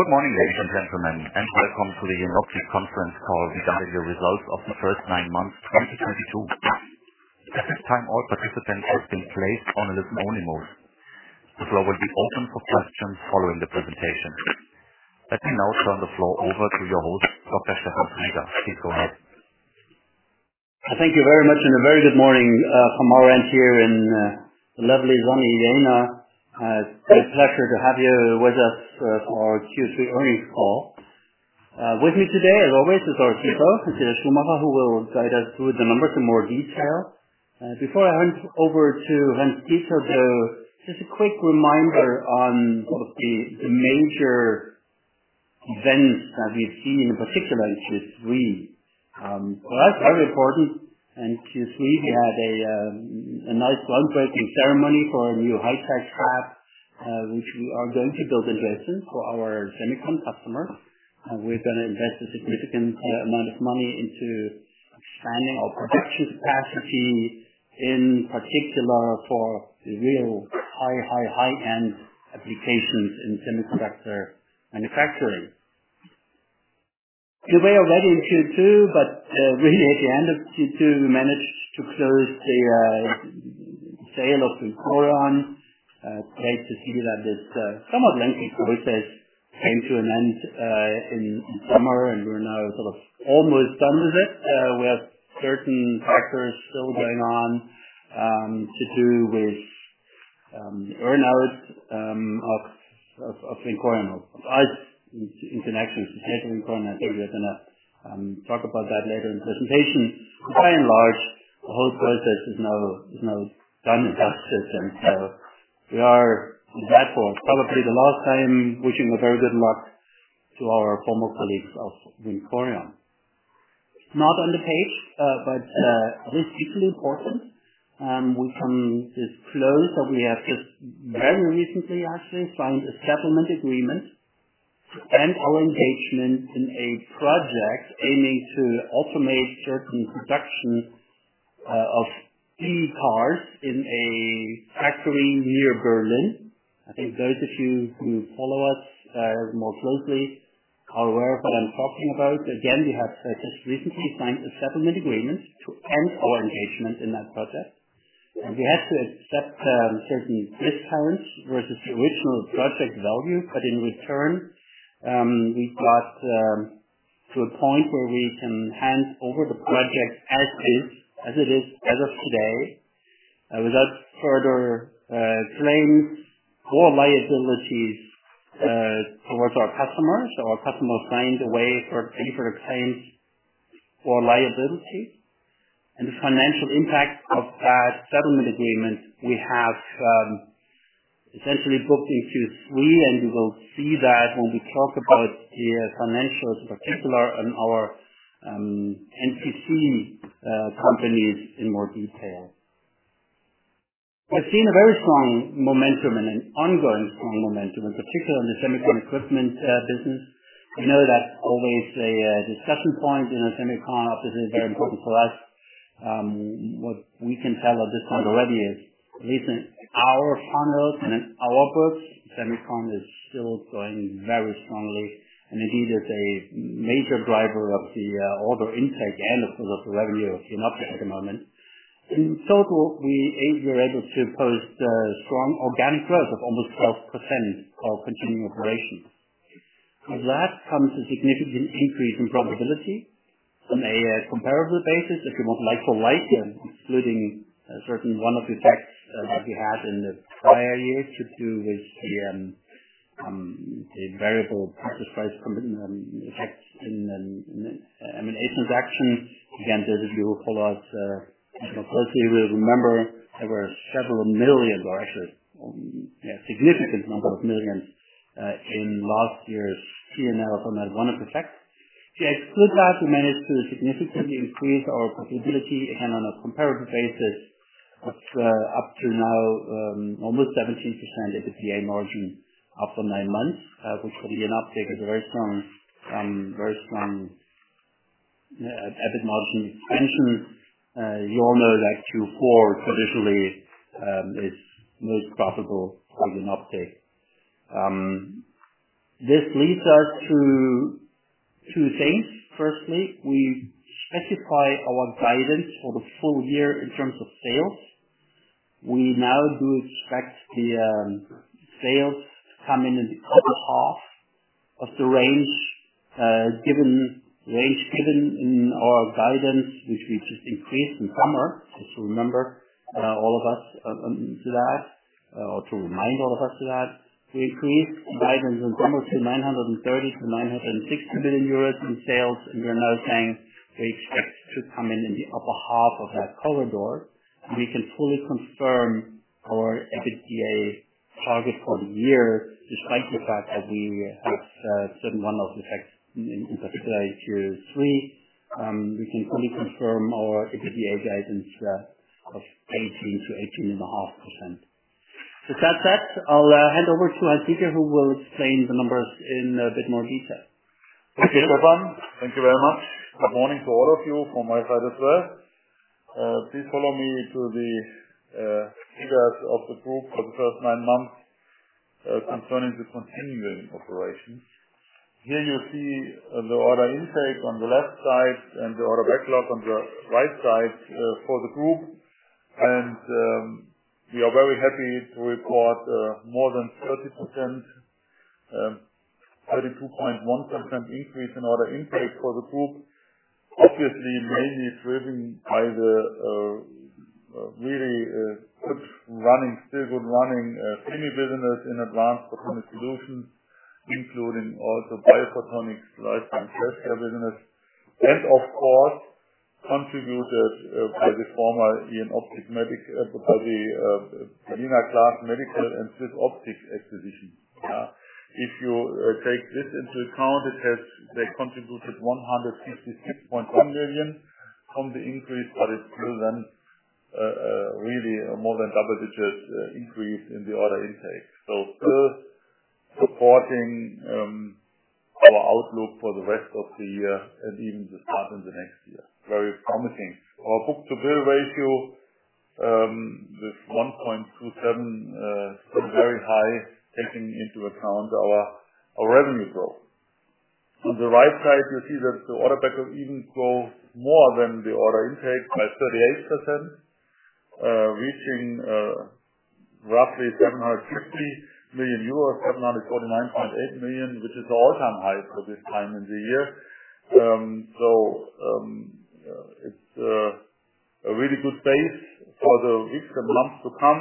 Good morning, ladies and gentlemen, and welcome to the Jenoptik conference call regarding the results of the first nine months, 2022. At this time, all participants have been placed on a listen-only mode. The floor will be open for questions following the presentation. Let me now turn the floor over to your host, Professor. Please go ahead. Thank you very much, and a very good morning from our end here in lovely sunny Vienna. It's a pleasure to have you with us for our Q3 earnings call. With me today, as always, is our CFO, Hans-Dieter Schumacher, who will guide us through the numbers in more detail. Before I hand over to Hans-Dieter, though, just a quick reminder on the major events that we've seen, in particular in Q3. For us, very important, in Q3, we had a nice groundbreaking ceremony for a new high-tech fab, which we are going to build in Dresden for our semiconductor customers. We're gonna invest a significant amount of money into expanding our production capacity, in particular for the real high-end applications in semiconductor manufacturing. We were already in Q2, but really at the end of Q2, we managed to close the sale of VINCORION. Great to see that this somewhat lengthy process came to an end in summer, and we're now sort of almost done with it. We have certain factors still going on to do with earn-outs of VINCORION in connection to sale of V VINCORION. We are gonna talk about that later in presentation. By and large, the whole process is now done with us, and so we are on the blackboard, probably the last time wishing a very good luck to our former colleagues of VINCORION. Not on the page, but this is equally important. We have just very recently actually signed a settlement agreement to end our engagement in a project aiming to automate certain production of e-cars in a factory near Berlin. I think those of you who follow us more closely are aware of what I'm talking about. Again, we have just recently signed a settlement agreement to end our engagement in that project. We have to accept certain discounts versus the original project value, but in return, we got to a point where we can hand over the project as is, as of today, without further claims or liabilities towards our customers. Our customers signed away for any further claims or liability. The financial impact of that settlement agreement, we have essentially booked in Q3, and we will see that when we talk about the financials in particular and our NPC companies in more detail. We've seen a very strong momentum and an ongoing strong momentum, in particular in the semiconductor equipment business. I know that's always a discussion point in the semiconductor. Obviously it's very important to us. What we can tell at this point already is, at least in our funnel and in our books, semiconductor is still growing very strongly, and indeed is a major driver of the order intake and of course of revenue at the moment. In total, we were able to post strong organic growth of almost 12% of continuing operations. With that comes a significant increase in profitability on a comparable basis. If you want like for like, excluding certain one-off effects that we had in the prior year to do with the variable purchase price commitment effects in a transaction. Again, those of you who follow us kind of closely will remember there were several million, or actually a significant number of millions in last year's P&L from that one-off effect. To exclude that, we managed to significantly increase our profitability and on a comparative basis of up to now almost 17% EBITDA margin after nine months, which is a very strong EBITDA margin expansion. You all know that Q4 traditionally is most profitable. This leads us to two things. Firstly, we specify our guidance for the full year in terms of sales. We now do expect the sales to come in in the upper half of the range given in our guidance, which we just increased in summer. Just to remind all of us, we increased guidance in summer to 930 million-960 million euros in sales, and we are now saying we expect to come in in the upper half of that corridor. We can fully confirm our EBITDA target for the year, despite the fact that we had certain one-off effects in particular in Q3. We can fully confirm our EBITDA guidance of 18%-18.5%. With that said, I'll hand over to Hans-Dieter Schumacher, who will explain the numbers in a bit more detail. Okay, Stefan. Thank you very much. Good morning to all of you from my side as well. Please follow me to the figures of the group for the first nine months concerning the continuing operations. Here you see the order intake on the left side and the order backlog on the right side for the group. We are very happy to report more than 30%, 32.1% increase in order intake for the group. Obviously, mainly driven by the really good running, still good running semi business in Advanced Photonic Solutions, including also Biophotonics life science business. Of course, contributed by the former Jenoptik Medical, because we acquired Berliner Glas Medical and SwissOptic acquisition. If you take this into account, they contributed 156.1 million from the increase, but it's still then really more than double digits increase in the order intake. Still supporting our outlook for the rest of the year and even the start of the next year. Very promising. Our book-to-bill ratio with 1.27 still very high, taking into account our revenue growth. On the right side, you see that the order backlog even grows more than the order intake by 38%, reaching roughly 750 million euros, 749.8 million, which is all-time high for this time in the year. It's a really good base for the weeks and months to come.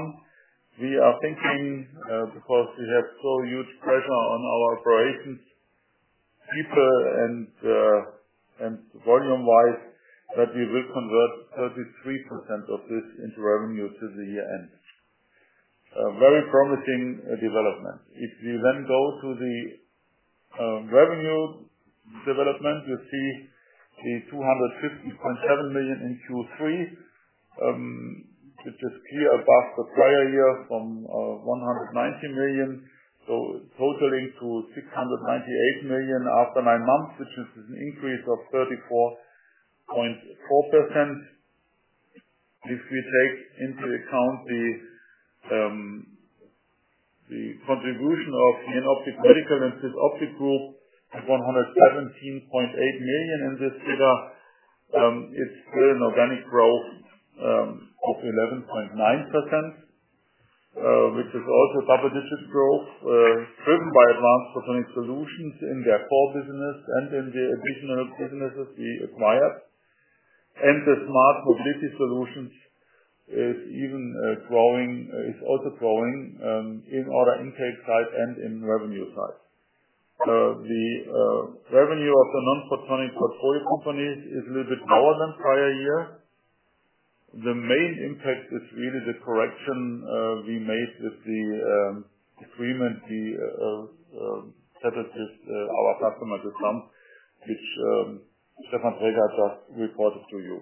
We are thinking, because we have so huge pressure on our operations people and volume-wise, that we will convert 33% of this into revenue to the year-end. A very promising development. If we then go to the revenue development, you see the 250.7 million in Q3, which is clear above the prior year from 190 million. Totaling to 698 million after nine months, which is an increase of 34.4%. If we take into account the contribution of Jenoptik Medical and SwissOptic Group at 117.8 million in this figure, it's still an organic growth of 11.9%, which is also double-digit growth, driven by Advanced Photonic Solutions in their core business and in the additional businesses we acquired. The Smart Mobility Solutions is also growing in order intake side and in revenue side. The revenue of the non-photonic portfolio companies is a little bit lower than prior year. The main impact is really the correction we made with the agreement, the damages our customer did claim, which Stefan Traeger just reported to you.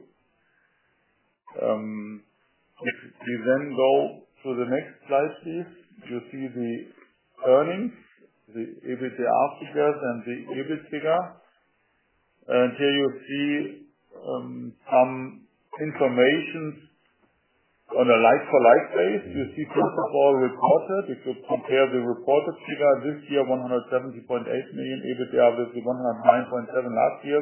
If we then go to the next slide, please. You see the earnings, the EBITA figures and the EBIT figure. Here you see some information on a like-for-like basis. You see 2024 reported. If you compare the reported figure this year, 170.8 million EBITA versus 109.7 million last year,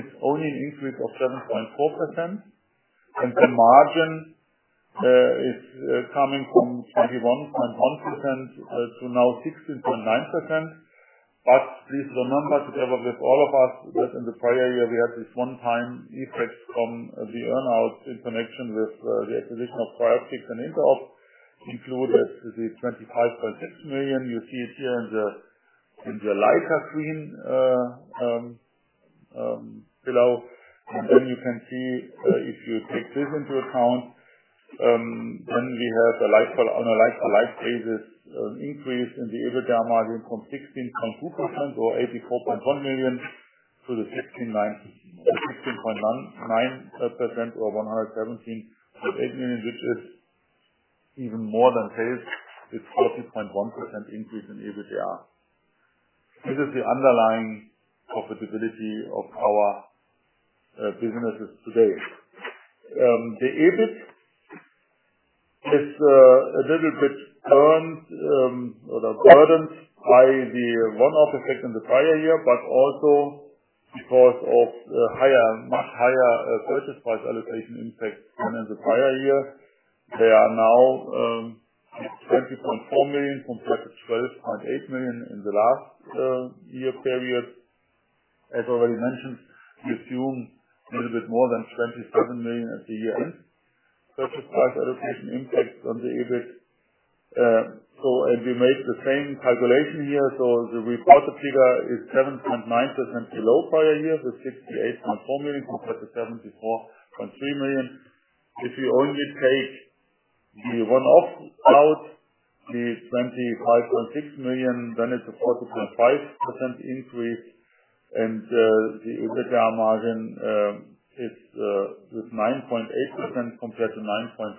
it's only an increase of 7.4%. The margin is coming from 21.1% to now 16.9%. Please remember, together with all of us, that in the prior year we had this one-time effect from the earn-out in connection with the acquisition of TRIOPTICS and INTEROB, including the EUR 25.6 million. You see it here in the lighter green below. You can see if you take this into account, we have an increase on a like-for-like basis in the EBITA margin from 16.2% or EUR 84.1 million to 16.9% or 117.8 million, which is even more than sales. It's 41% increase in EBITA. This is the underlying profitability of our businesses today. The EBIT is a little bit burned or burdened by the one-off effect in the prior year, but also because of the higher, much higher purchase price allocation impact than in the prior year. They are now 20.4 million compared to 12.8 million in the last year period. As already mentioned, we assume a little bit more than 27 million at the year-end. Purchase price allocation impact on the EBIT. We made the same calculation here. The reported figure is 7.9% below prior year. The 68.4 million compared to 74.3 million. If you only take the one-off out, the EUR 25.6 million, then it's a 4.5% increase. The EBITDA margin is with 9.8% compared to 9.4%,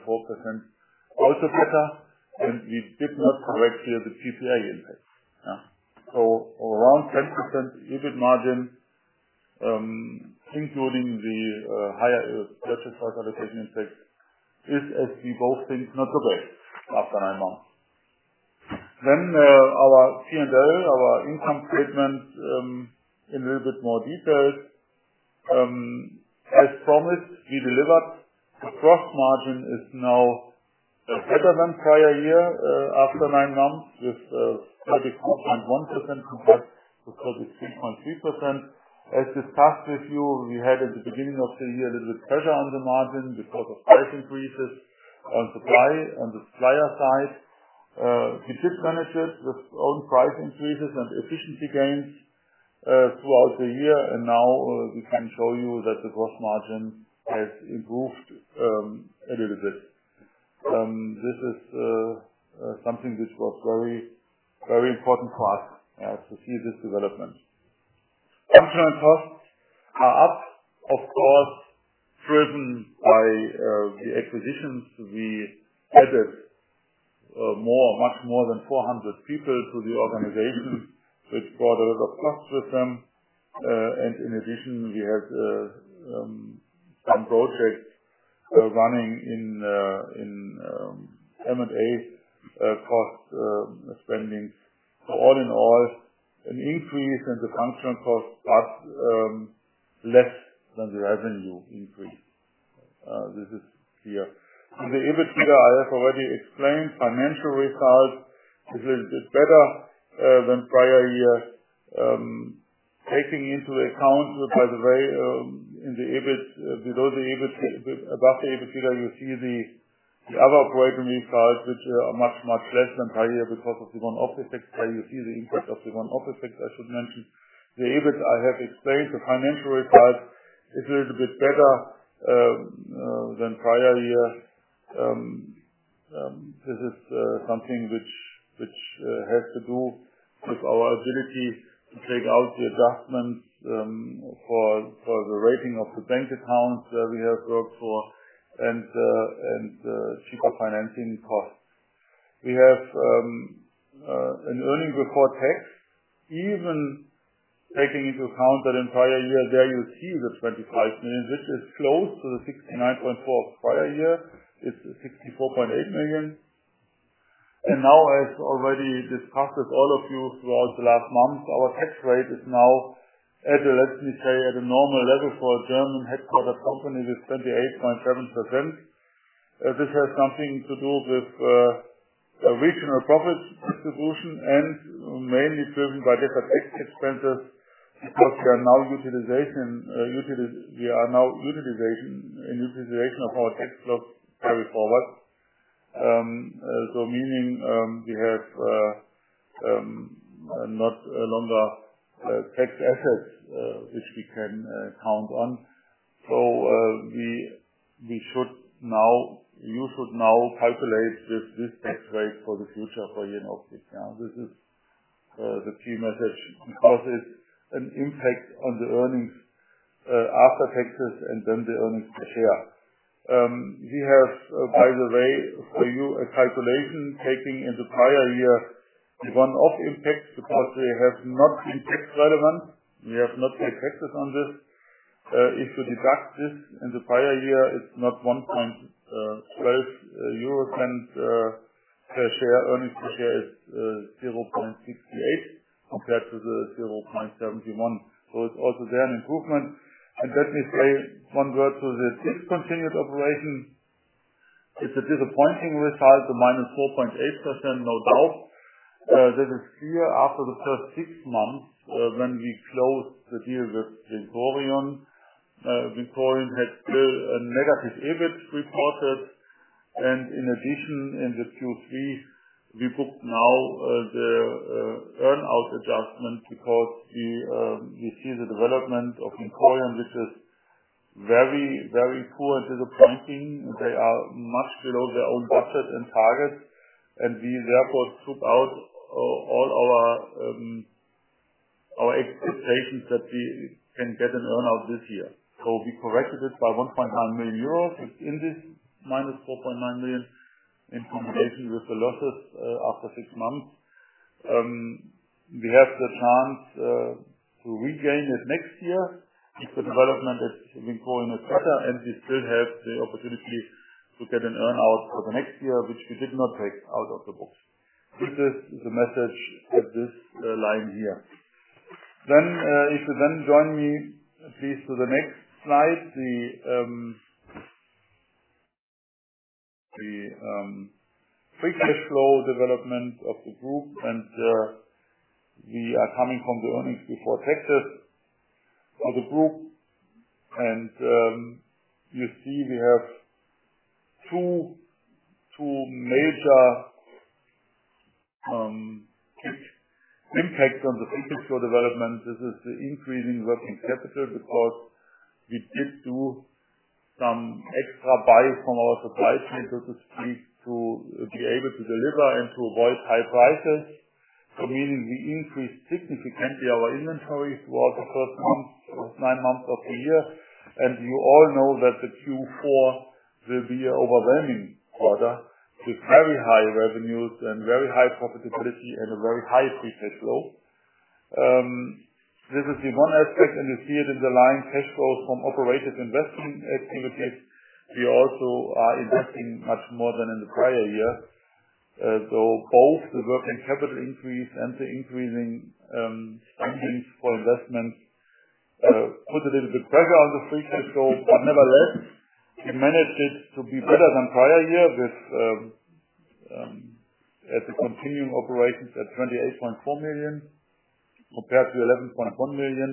also better, and we did not correct here the PPA impact. Around 10% EBIT margin, including the higher allocation impact is, as we both think, not so bad after nine months. Our P&L, our income statement, in a little bit more detail. As promised, we delivered. The gross margin is now better than prior year after nine months with 34.1% compared to 33.3%. As discussed with you, we had at the beginning of the year a little bit pressure on the margin because of price increases on supply, on the supplier side. We did manage it with own price increases and efficiency gains throughout the year. Now we can show you that the gross margin has improved a little bit. This is something which was very important for us to see this development. Functional costs are up, of course, driven by the acquisitions. We added more, much more than 400 people to the organization, which brought a little cost with them. In addition, we had some projects running in M&A cost spending. All in all, an increase in the functional costs, but less than the revenue increase. This is clear. On the EBITDA, I have already explained financial results. It's a little bit better than prior years. Taking into account, by the way, in the EBIT, below the EBIT, above the EBITDA you see the other operating results which are much less than prior year because of the one-off effects. There you see the impact of the one-off effects I should mention. The EBIT, I have explained. The financial results is a little bit better than prior years. This is something which has to do with our ability to take out the adjustments for the rating of the bank accounts that we have worked for and cheaper financing costs. We have earnings before tax, even taking into account that in prior year there you see the 25 million. This is close to the 69.4 million of prior year. It's 64.8 million. Now, as already discussed with all of you throughout the last months, our tax rate is now at a, let me say, at a normal level for a German headquartered company with 28.7%. This has something to do with a regional profit distribution and mainly driven by different tax expenses because we are now utilizing our tax loss carryforward. Meaning, we no longer have tax assets which we can count on. You should now calculate this tax rate for the future for Jenoptik now. This is the key message. Of course, it's an impact on the earnings after taxes and then the earnings per share. By the way, we have for you a calculation taking in the prior year the one-off impact because they have not been tax relevant. We have not paid taxes on this. If you deduct this in the prior year, it's not 1.12 euro cent per share. Earnings per share is 0.68 compared to the 0.71. It's also there an improvement. Let me say one word to the discontinued operation. It's a disappointing result, the -4.8%, no doubt. That is clear after the first six months when we closed the deal with Vincorion. Vincorion had still a negative EBIT reported, and in addition, in the Q3, we booked now the earn-out adjustment because we see the development of Vincorion, which is very, very poor and disappointing. They are much below their own budget and targets, and we therefore scrap all our expectations that we can get an earn-out this year. We corrected it by 1.9 million euros. It's in this minus 4.9 million in combination with the losses after six months. We have the chance to regain it next year if the development at Vincorion is better, and we still have the opportunity to get an earn-out for the next year, which we did not take out of the books. This is the message of this line here. If you then join me please to the next slide. The free cash flow development of the group, and we are coming from the earnings before taxes of the group. You see we have two major impact on the free cash flow development. This is the increase in working capital because we did some extra buy from our supply chain, so to speak, to be able to deliver and to avoid high prices. Meaning we increased significantly our inventory throughout the first month or nine months of the year. You all know that the Q4 will be an overwhelming quarter with very high revenues and very high profitability and a very high free cash flow. This is the one aspect, and you see it in the line, cash flows from operating investing activities. We also are investing much more than in the prior year. Both the working capital increase and the increasing funding for investment put a little bit pressure on the free cash flow. Nevertheless, we managed it to be better than prior year with at the continuing operations at 28.4 million compared to 11.1 million.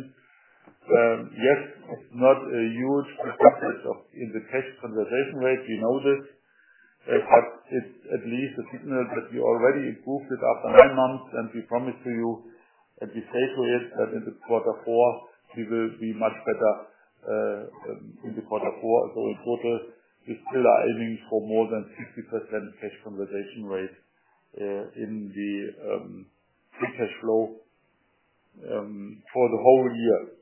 Yes, it's not a huge improvement of in the cash conversion rate, we know this. But it's at least a signal that we already improved it after nine months, and we promise to you that we're safe with that in the quarter four we will be much better in the quarter four. In total, we still are aiming for more than 60% cash conversion rate in the free cash flow for the whole year.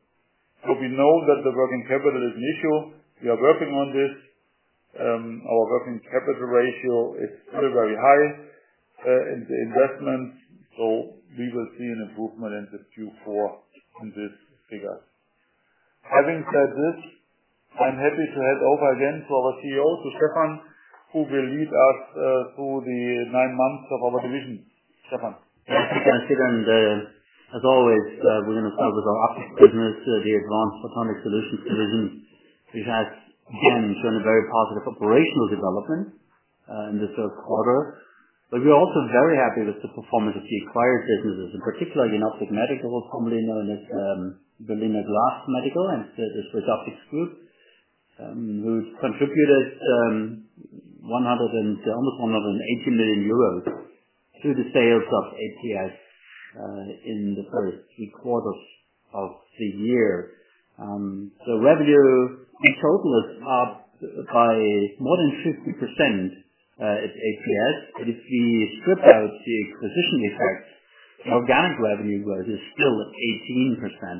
We know that the working capital is an issue. We are working on this. Our working capital ratio is still very high in the investment, so we will see an improvement in the Q4 on this figure. Having said this, I'm happy to hand over again to our CEO, to Stefan, who will lead us through the nine months of our division. Stefan? Thank you, Hans-Dieter. As always, we're gonna start with our optics business, the Advanced Photonic Solutions division. We've had, again, shown a very positive operational development in the third quarter. We're also very happy with the performance of the acquired businesses, in particular Jenoptik Medical, formerly known as Berliner Glas Medical, and the TRIOPTICS, who contributed almost 180 million euros to the sales of APS in the first three quarters of the year. Revenue in total is up by more than 50% at APS. If we strip out the acquisition effect, organic revenue growth is still at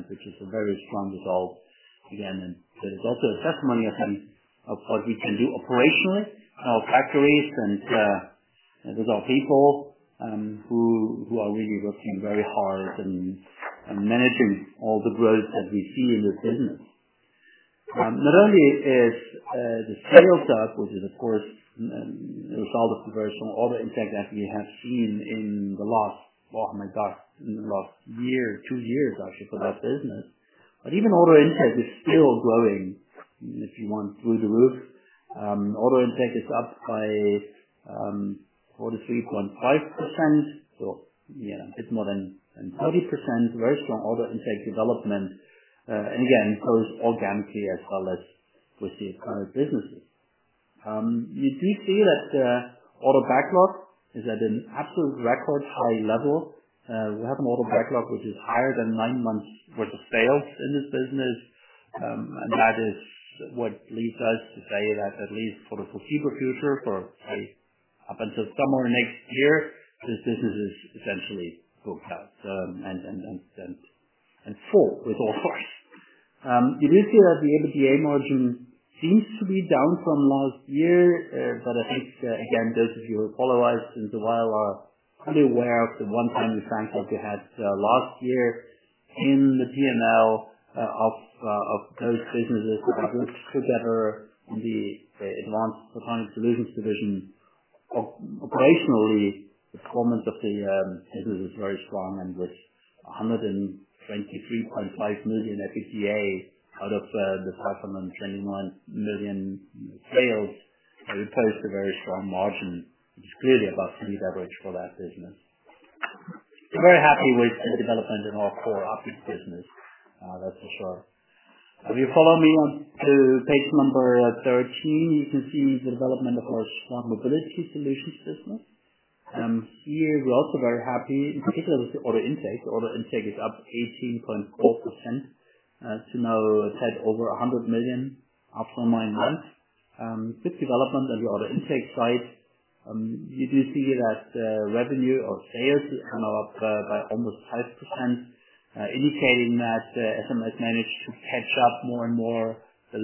18%, which is a very strong result again. It is also a testimony of what we can do operationally. Our factories and with our people who are really working very hard and managing all the growth that we see in this business. Not only is the sales up, which is of course a result of conversion, order intake that we have seen in the last year, two years actually for that business. Even order intake is still growing, if you want, through the roof. Order intake is up by 43.5%, so yeah, a bit more than 30%. Very strong order intake development. Again, growth organically as well as with the acquired businesses. You do see that order backlog is at an absolute record high level. We have an order backlog which is higher than nine months worth of sales in this business. That is what leads us to say that at least for the foreseeable future, for say up until somewhere next year, this business is essentially booked out and full with all products. You do see that the EBITDA margin seems to be down from last year. I think again, those of you who follow us for a while are highly aware of the one-time effects that we had last year in the P&L of those businesses that we brought together in the Advanced Photonic Solutions division. Operationally, performance of the business is very strong, and with 123.5 million EBITDA out of the 529 million sales, it posts a very strong margin, which is clearly above city average for that business. We're very happy with the development in our core optics business, that's for sure. If you follow me on to page number 13, you can see the development of our Smart Mobility Solutions business. Here we're also very happy, in particular with the order intake. Order intake is up 18.4% to now a tad over 100 million after nine months. Good development on the order intake side. You do see that revenue or sales is kind of up by almost 5%, indicating that SMS managed to catch up more and more the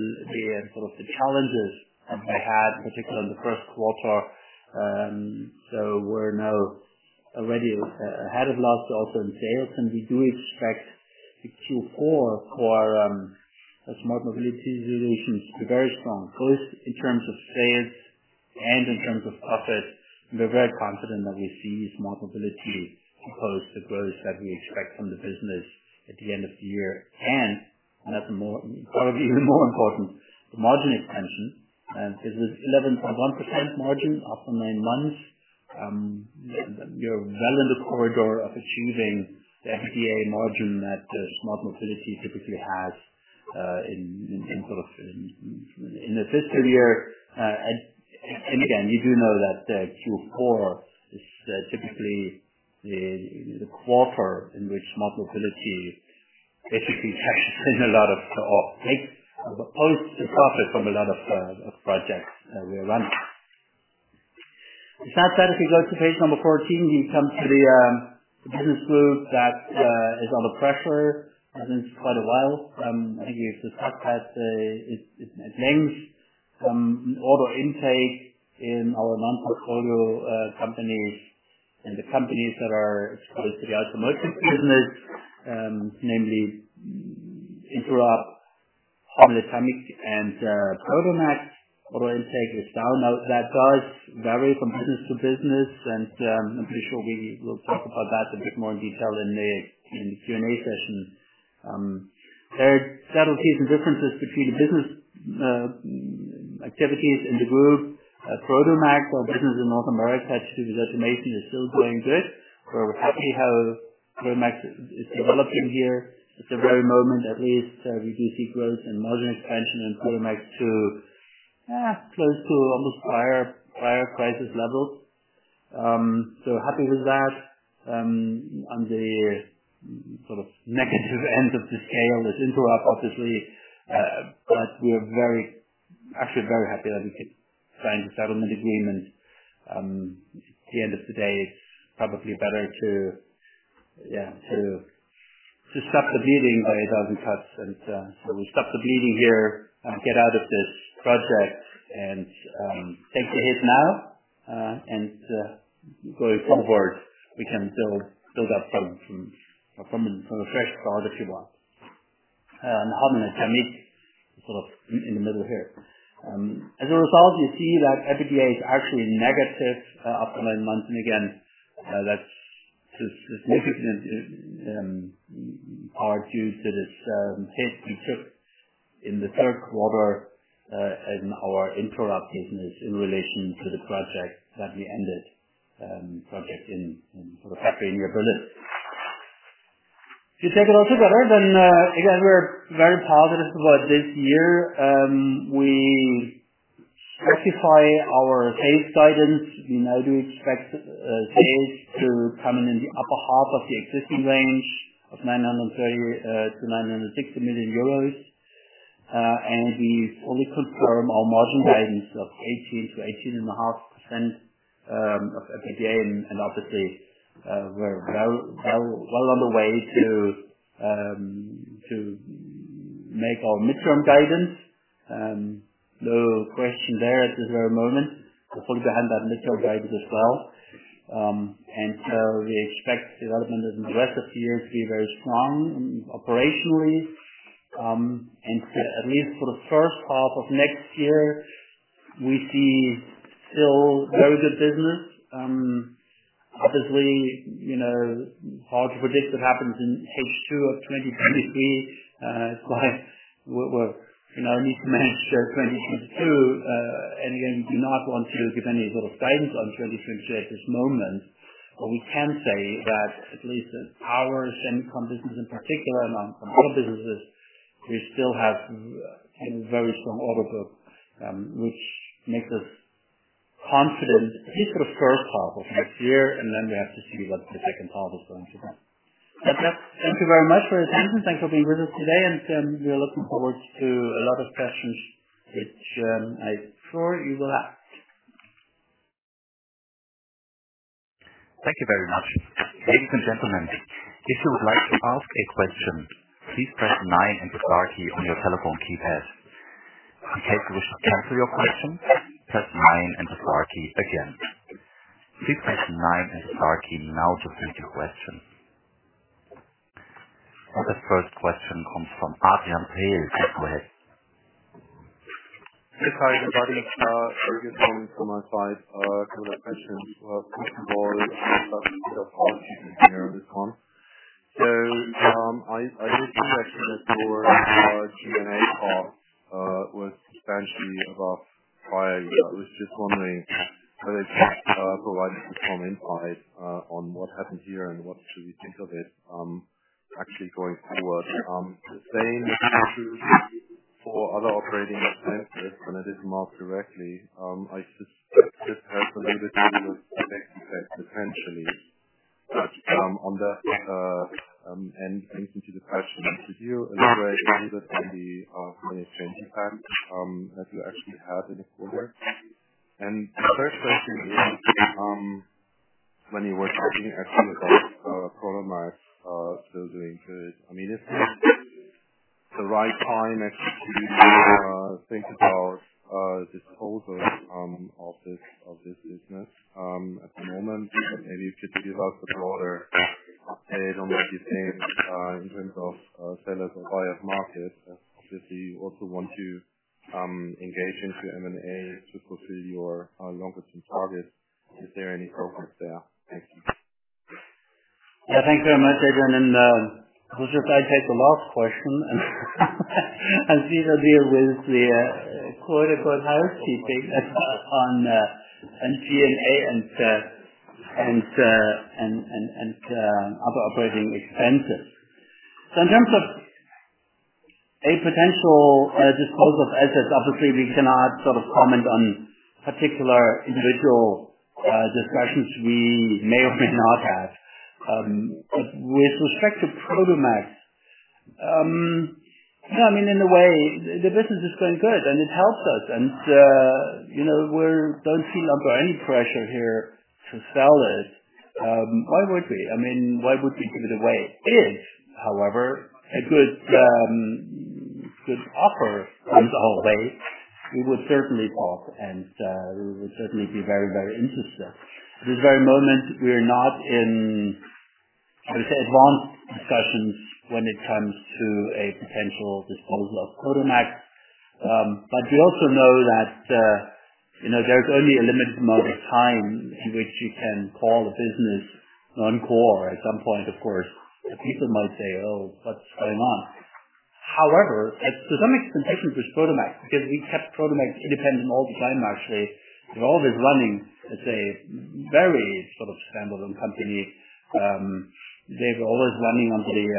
sort of the challenges that they had, particularly in the first quarter. We're now already ahead of last year also in sales, and we do expect the Q4 for our Smart Mobility Solutions to be very strong, both in terms of sales and in terms of profit. We're very confident that we see Smart Mobility compose the growth that we expect from the business at the end of the year. That's more probably even more important, the margin expansion. This is 11.1% margin after nine months. They're well in the corridor of achieving the EBITDA margin that Smart Mobility typically has in sort of. In the fifth year again, you do know that Q4 is typically the quarter in which smart mobility basically cashed in a lot of, like, the profit from a lot of projects we are running. With that said, if you go to page number 14, you come to the business group that is under pressure, has been for quite a while. I think the stock has its pains, order intake in our non-photonic portfolio companies and the companies that are exposed to the automotive business, namely INTEROB, Hommel-Etamic and Prodomax. Order intake is down. Now, that does vary from business to business and I'm pretty sure we will talk about that a bit more in detail in the Q&A session. There are subtle key differences between the business activities in the group. Prodomax, our business in North America, actually the division is still going good. We're happy how Prodomax is developing here. At the very moment, at least, we do see growth and margin expansion in Prodomax to close to almost prior crisis levels. Happy with that. On the sort of negative end of the scale is INTEROB, obviously. We're actually very happy that we could sign the settlement agreement. At the end of the day, it's probably better to stop the bleeding by a thousand cuts. We stop the bleeding here, get out of this project and take the hit now, and going forward, we can build up from a fresh start, if you will. Hommel-Etamic, sort of in the middle here. As a result, you see that EBITDA is actually negative up to nine months. Again, that's just negative due to this hit we took in the third quarter in our IINTEROB business in relation to the project that we ended, project in sort of factory near Berlin. If you take it all together, again, we're very positive about this year. We specify our sales guidance. We now do expect sales to come in in the upper half of the existing range of 930 million-960 million euros. We fully confirm our margin guidance of 18%-18.5% of EBITDA, and obviously, we're well on the way to make our midterm guidance. No question there at this very moment. We're fully behind that midterm guidance as well. We expect development in the rest of the year to be very strong operationally. At least for the first half of next year, we see still very good business. Obviously, you know, hard to predict what happens in H2 of 2023. It's why we're, you know, need to manage 2022. Again, we do not want to give any sort of guidance on 2022 at this moment. We can say that at least in our semi business in particular, and on some other businesses, we still have a very strong order book, which makes us confident at least for the first half of next year, and then we have to see what the second half is going to bring. With that, thank you very much for your attention. Thanks for being with us today, and we are looking forward to a lot of questions, which I'm sure you will ask. Thank you very much. Ladies and gentlemen, if you would like to ask a question, please press nine and the star key on your telephone keypad. In case you wish to cancel your question, press nine and the star key again. Please press nine and the star key now to state your question. Our first question comes from Adrian Pehl. Go ahead. Yes, hi, everybody. Adrian from my side. Couple of questions. First of all, housekeeping here at this point. I didn't see actually that your G&A part was substantially above prior. I was just wondering whether you could provide some insight on what happened here and what should we think of it actually going forward. The same question for other operating expenses, and I didn't mark directly. I just have a little bit of a second check potentially. On that and into the question, could you elaborate a little bit on the foreign exchange impact that you actually had in the quarter? The third question is, when you were talking actually about Prodomax building the amenities, is this the right time actually to think about disposal of this business at the moment? Maybe could you give us a broader take on what you think in terms of a seller's or buyer's market? Obviously, you also want to engage into M&A to pursue your longer-term targets. Is there any progress there? Thank you. Yeah, thanks very much, Adrian. We'll just take the last question and deal with the quote, unquote, "housekeeping" on G&A and other operating expenses. In terms of a potential disposal of assets, obviously we cannot sort of comment on particular individual discussions we may or may not have. But with respect to Prodomax, yeah, I mean, in a way, the business is going good, and it helps us. You know, we don't feel under any pressure here to sell it. Why would we? I mean, why would we give it away? If, however, a good offer comes our way, we would certainly talk, and we would certainly be very, very interested. At this very moment, we are not in, I would say, advanced discussions when it comes to a potential disposal of Prodomax. We also know that, you know, there's only a limited amount of time in which you can call a business non-core. At some point, of course, people might say, "Oh, what's going on?" However, there's some expectation with Prodomax because we kept Prodomax independent all the time, actually. They're always running as a very sort of standalone company. They were always running under the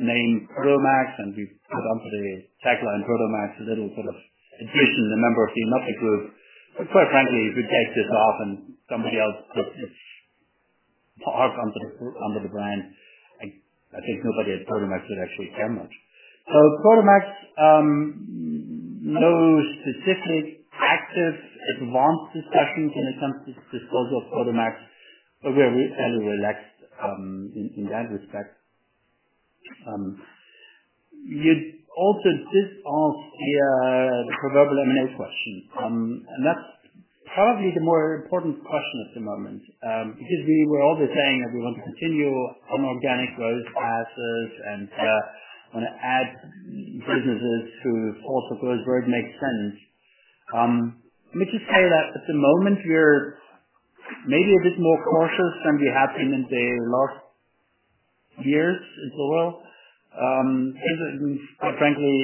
name Prodomax, and we put onto the tag line Prodomax, a little sort of intrusion, the member of the Jenoptik Group. Quite frankly, if we take this off and somebody else puts its part onto the brand, I think nobody at Prodomax would actually care much. Prodomax, no specific active advanced discussions when it comes to disposal of Prodomax. We are very relaxed in that respect. You also did ask the proverbial M&A question. That's probably the more important question at the moment, because we were always saying that we want to continue on organic growth paths and wanna add businesses to portfolio where it makes sense. Let me just say that at the moment we're maybe a bit more cautious than we have been in the last years, if at all. Quite frankly,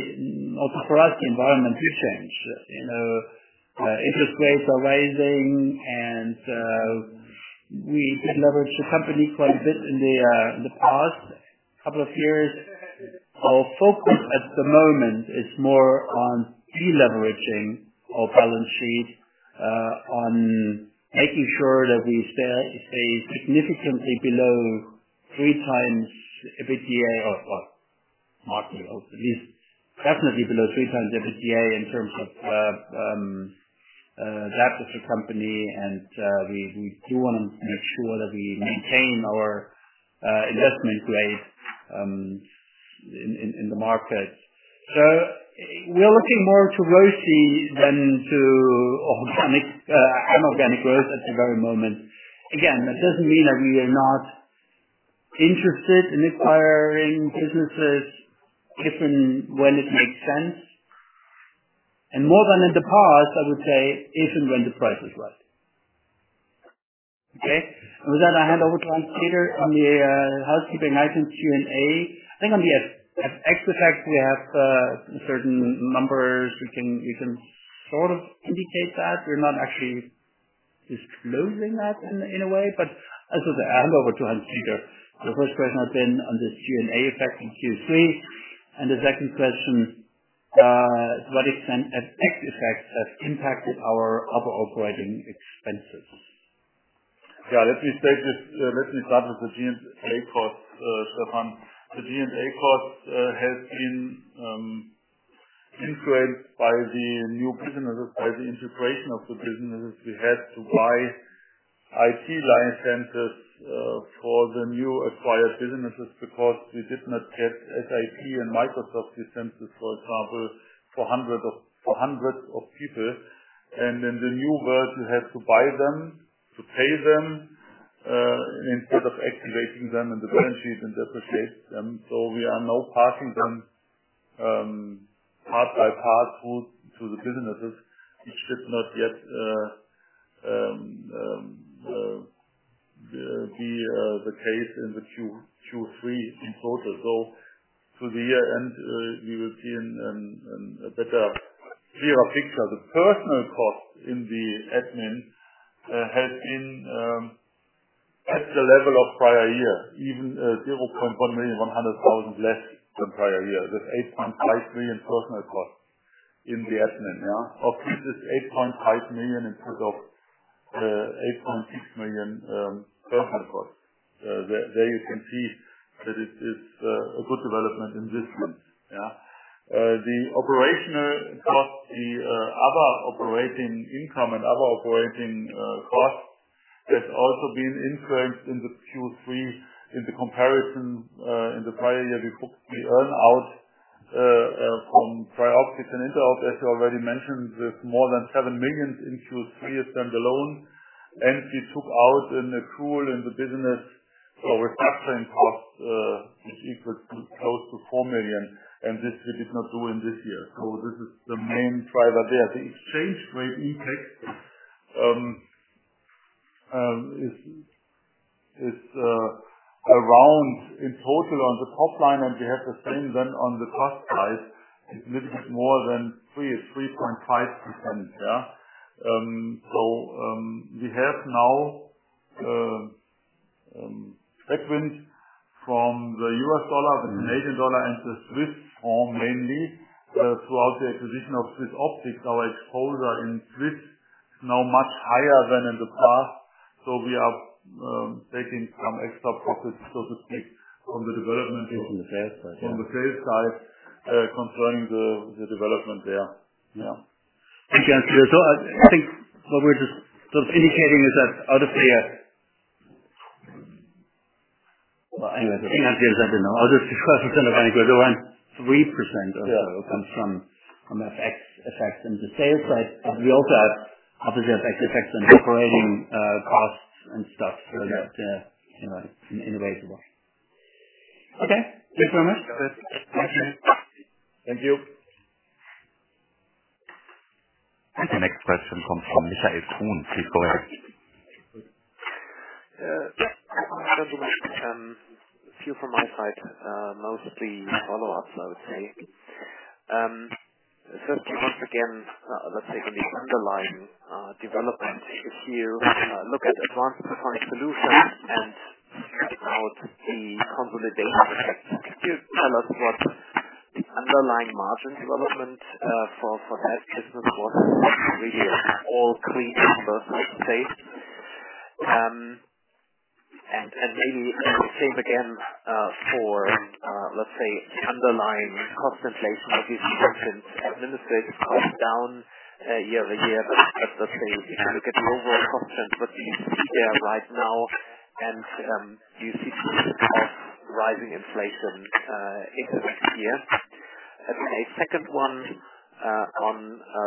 also for us, the environment does change. You know, interest rates are rising, and we did leverage the company quite a bit in the past couple of years. Our focus at the moment is more on deleveraging our balance sheet, on making sure that we stay, say, significantly below three times EBITDA or what, Marco? Or at least definitely below three times EBITDA in terms of debt of the company and we do wanna make sure that we maintain our investment grade in the market. We are looking more to organic than to inorganic growth at the very moment. Again, that doesn't mean that we are not interested in acquiring businesses if and when it makes sense, and more than in the past, I would say, if and when the price is right. Okay. With that, I hand over to Hans-Peter. On the housekeeping items Q&A, I think on the FX effect, we have certain numbers. We can sort of indicate that. We're not actually disclosing that in a way. I hand over to Hans-Peter. The first question has been on this FX effect in Q3. The second question, what extent has FX effect impacted our other operating expenses? Yeah. Let me start with the G&A cost, Stefan. The G&A cost has been influenced by the new businesses, by the integration of the businesses. We had to buy IT licenses for the new acquired businesses because we did not get SAP and Microsoft licenses, for example, for hundreds of people. In the new world, you have to buy them, to pay them instead of activating them in the balance sheet and depreciate them. We are now passing them part by part through to the businesses, which should not yet be the case in the Q3 in total. Through the year-end, we will see a better, clearer picture. The personal cost in the admin has been at the level of prior years, even 0.1 million 100,000 less than prior years. With 8.5 million personal costs in the admin. Of which is 8.5 million instead of 8.6 million personal costs. There you can see that it is a good development in this sense. The operational cost, the other operating income and other operating costs has also been influenced in the Q3. In the comparison in the prior year, we took the earn-out from TRIOPTICS and Interob, as you already mentioned, with more than 7 million in Q3 of them alone. We took out an accrual in the business for restructuring costs, which equal to close to 4 million, and this we did not do in this year. This is the main driver there. The exchange rate impact is around in total on the top line, and we have the same then on the cost side. It's little bit more than 3.5%. We have now tailwind from the US dollar, the Canadian dollar and the Swiss franc mainly, through the acquisition of SwissOptic, our exposure in Swiss now much higher than in the past. We are taking some extra profits, so to speak, from the development- From the sales side, yeah. From the sales side, confirming the development there. Yeah. Thank you. I think what we're just sort of indicating is that around 3% or so comes from FX effects in the sales side, but we also have obviously FX effects on operating costs and stuff. That's, you know, in a way as well. Okay. Thanks very much. Thank you. The next question comes from Michael Kuhn. Please go ahead. Gentlemen, a few from my side, mostly follow-ups, I would say. First, once again, let's take on the underlying development. If you look at Advanced Photonic Solutions and strip out the consolidation effect, could you tell us what the underlying margin development for APS was over the year? All three numbers, let's say. Maybe the same again for underlying cost inflation. Obviously, you mentioned administrative costs down year over year, but let's say if you look at overall costs, what do you see there right now and do you see signs of rising inflation into next year? Okay. Second one on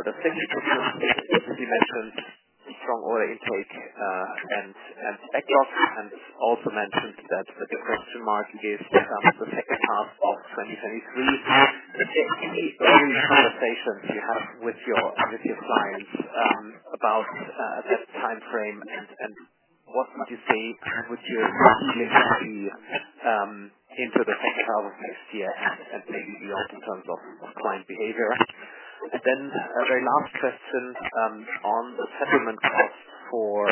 the strategic update. Obviously, you mentioned strong order intake and backlogs, and also mentioned that the question mark is the second half of 2023. Are there any early conversations you have with your clients about this timeframe and what would you say you anticipate into the second half of next year and maybe beyond in terms of client behavior? Then, the last question on the settlement costs for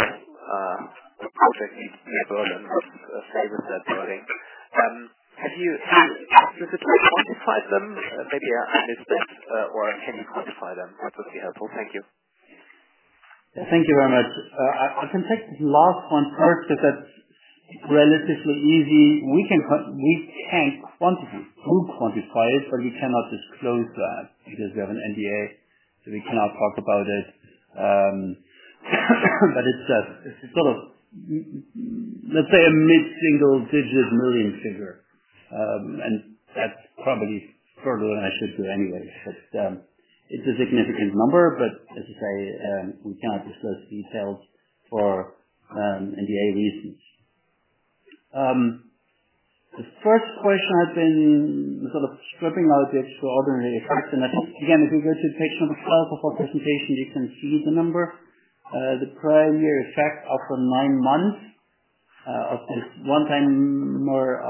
the project in the Berliner Glas building. Have you specifically quantified them? Maybe I missed it, or can you quantify them? That would be helpful. Thank you. Thank you very much. I can take the last one first 'cause that's relatively easy. We can quantify it, but we cannot disclose that because we have an NDA, so we cannot talk about it. But it's sort of, let's say, a mid-single-digit million figure. And that's probably further than I should do anyway. But it's a significant number, but as I say, we cannot disclose details for NDA reasons. The first question has been sort of stripping out the extraordinary effects. I think, again, if you go to page number 12 of our presentation, you can see the number. The prior year effect after nine months of this one-time more,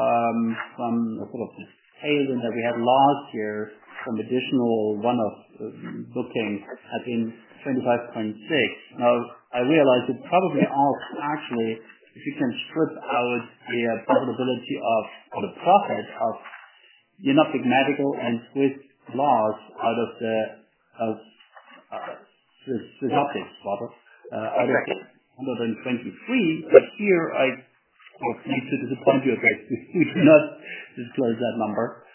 from a point of view of the payment that we had last year, some additional one-off booking has been 25.6. Now, I realize it probably asks actually if you can strip out the profitability of or the profit of Jenoptik Medical and SwissOptic out of the out SwissOptic rather out of 2023. Here I sort of need to disappoint you again, we cannot disclose that number.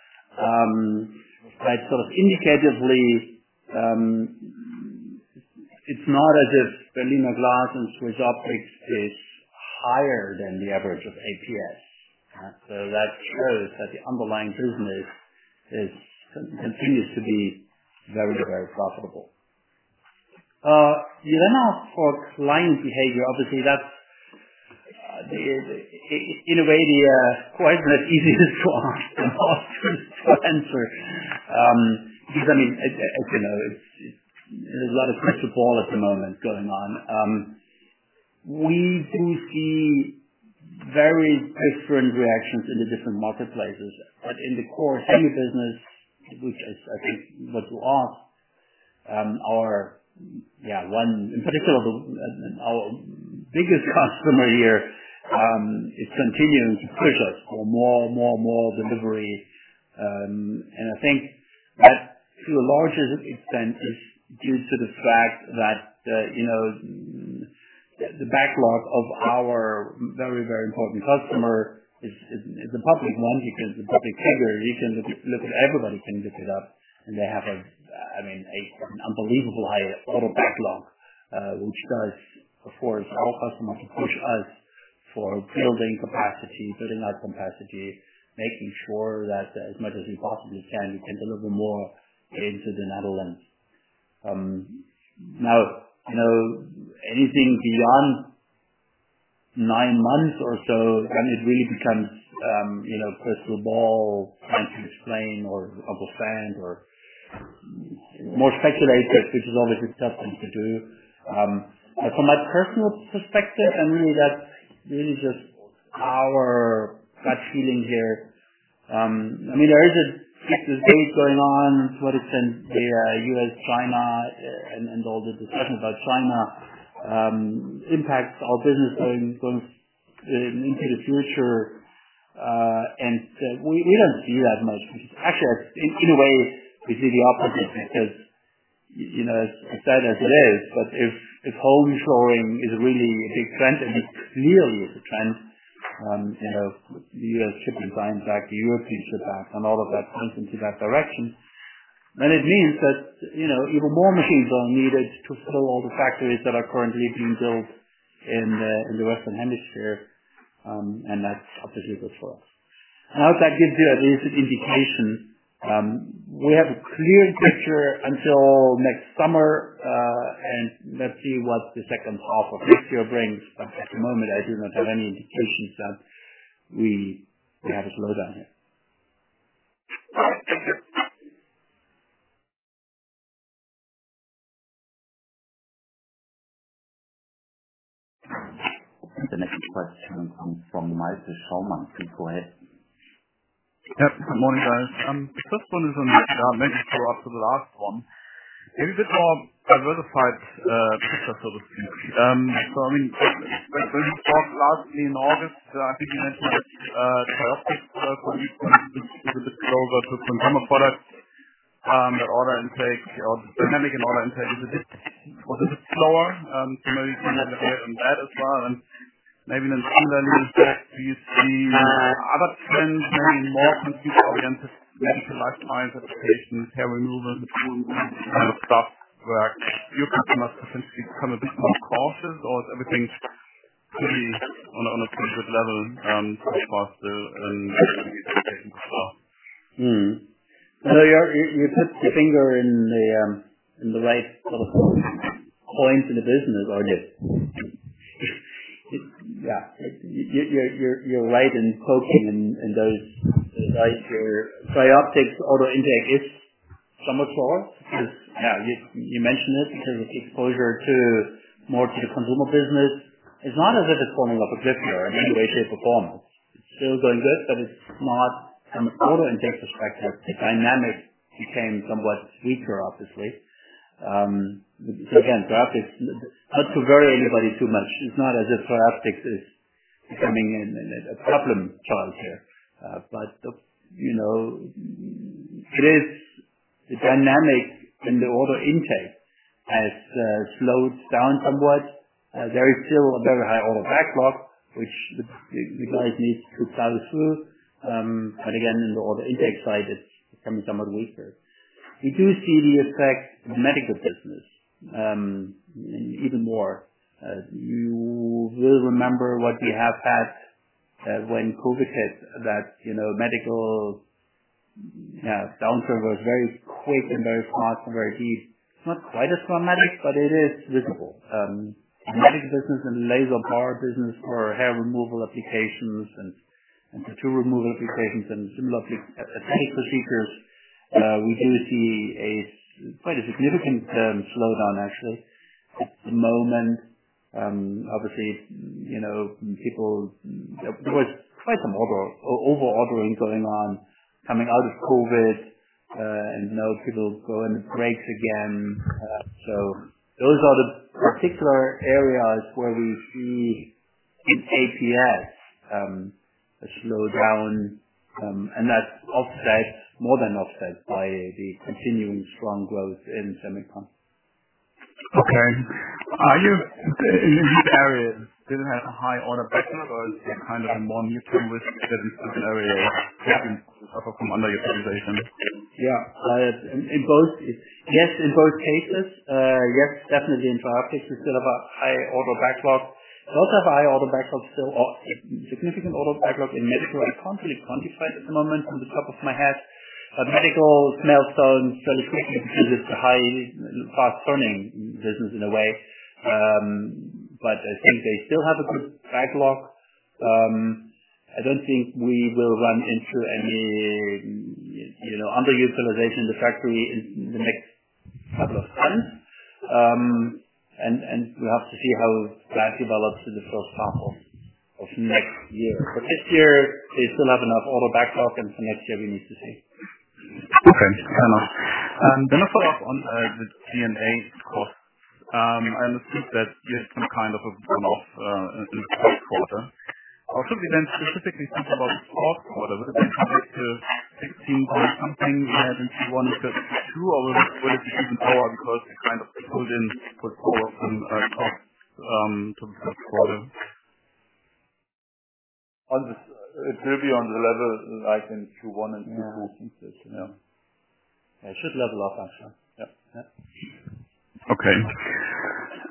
Sort of indicatively, it's not as if Berliner Glas and SwissOptic is higher than the average of APS. That shows that the underlying business continues to be very profitable. Your last for client behavior, obviously that's in a way not quite easy to ask and also to answer. Because I mean, as you know, it's a lot of crystal ball at the moment going on. We do see very different reactions in the different marketplaces. In the core semi business, which is I think what you ask, one in particular, our biggest customer here, is continuing to push us for more delivery. I think that to a large extent is due to the fact that, you know, the backlog of our very, very important customer is a public one. You can. It's a public figure. You can look it up. Everybody can look it up. They have, I mean, a unbelievable high order backlog, which does force our customer to push us for building capacity, making sure that as much as we possibly can, we can deliver more into the Netherlands. Now, you know, anything beyond nine months or so, then it really becomes, you know, crystal ball trying to explain or understand or more speculative, which is always a tough thing to do. From my personal perspective, I mean, that's really just our gut feeling here. I mean, there is a piece of data going on, whether it's in the U.S., China and all the discussion about China, impacts our business going into the future. We don't see that much. Actually, in a way, we see the opposite because, you know, as bad as it is, but if home-shoring is really a big trend, and it clearly is a trend, you know, the U.S. shifting designs back to European chips back and all of that points into that direction, then it means that, you know, even more machines are needed to fill all the factories that are currently being built in the Western Hemisphere, and that's positive as well. I hope that gives you at least an indication. We have a clear picture until next summer, and let's see what the second half of this year brings. At the moment, I do not have any indications that we have a slowdown, yeah. The next question comes from Malte Schaumann. Please go ahead. Yeah. Good morning, guys. The first one is on the order intake after the last one. Maybe a bit more diversified picture for this team. So I mean, when you talked last in August, I think you mentioned that it was a bit slower, but with some semi products, the order intake dynamic was a bit slower. So maybe you can elaborate on that as well. Maybe then secondly is that do you see other trends, maybe more consumer-oriented, like lifestyle applications, hair removal, and kind of stuff where your customers potentially become a bit more cautious or is everything pretty on a pretty good level so far still in the second half? Mm-hmm. No, you're you put your finger in the right sort of points in the business, I guess. Yeah. You're right in poking in those the right. Your TRIOPTICS order intake is somewhat slower because, yeah, you mentioned it because it's exposure to more to the consumer business. It's not as if it's falling off a cliff here in any way, shape, or form. It's still going good, but it's not from order intake perspective, the dynamic became somewhat weaker, obviously. So again, TRIOPTICS, not to worry anybody too much. It's not as if TRIOPTICS is becoming a problem child here. But you know, it is the dynamic in the order intake has slowed down somewhat. There is still a very high order backlog which the guys need to plow through. Again, in the order intake side, it's becoming somewhat weaker. We do see the effect in the medical business, even more. You will remember what we have had when COVID hit, that, you know, medical downturn was very quick and very fast and very deep. Not quite as dramatic, but it is visible. The medical business and laser bar business for hair removal applications and tattoo removal applications and similar aesthetic procedures, we do see quite a significant slowdown, actually. At the moment, obviously, you know, people. There was quite some overordering going on coming out of COVID, and now people go on breaks again. Those are the particular areas where we see in APS a slowdown, and that's offset, more than offset by the continuing strong growth in semiconductor. Okay. In these areas, do you have a high order backlog or is it kind of a more neutral with certain areas apart from under your presentation? Yeah. Yes, in both cases. Yes, definitely in TRIOPTICS, we still have a high order backlog. We also have a high order backlog still or a significant order backlog in Medical. I can't really quantify it at the moment off the top of my head. Medical sells so intuitively because it's a high fast turning business in a way. I think they still have a good backlog. I don't think we will run into any, you know, underutilization in the factory in the next couple of months. We'll have to see how that develops in the first half of next year. For this year, they still have enough order backlog and for next year we need to see. Okay. Fair enough. I'll follow up on the NDA cost. I understand that you had some kind of a run off in the fourth quarter. Should we then specifically think about the fourth quarter? Was it then kind of like 16 point something rather than 21.2% or was it really season over because you kind of pulled in four of them to the fourth quarter? It will be on the level like in 2021 and 2026. Yeah. It should level off actually. Yep. Okay.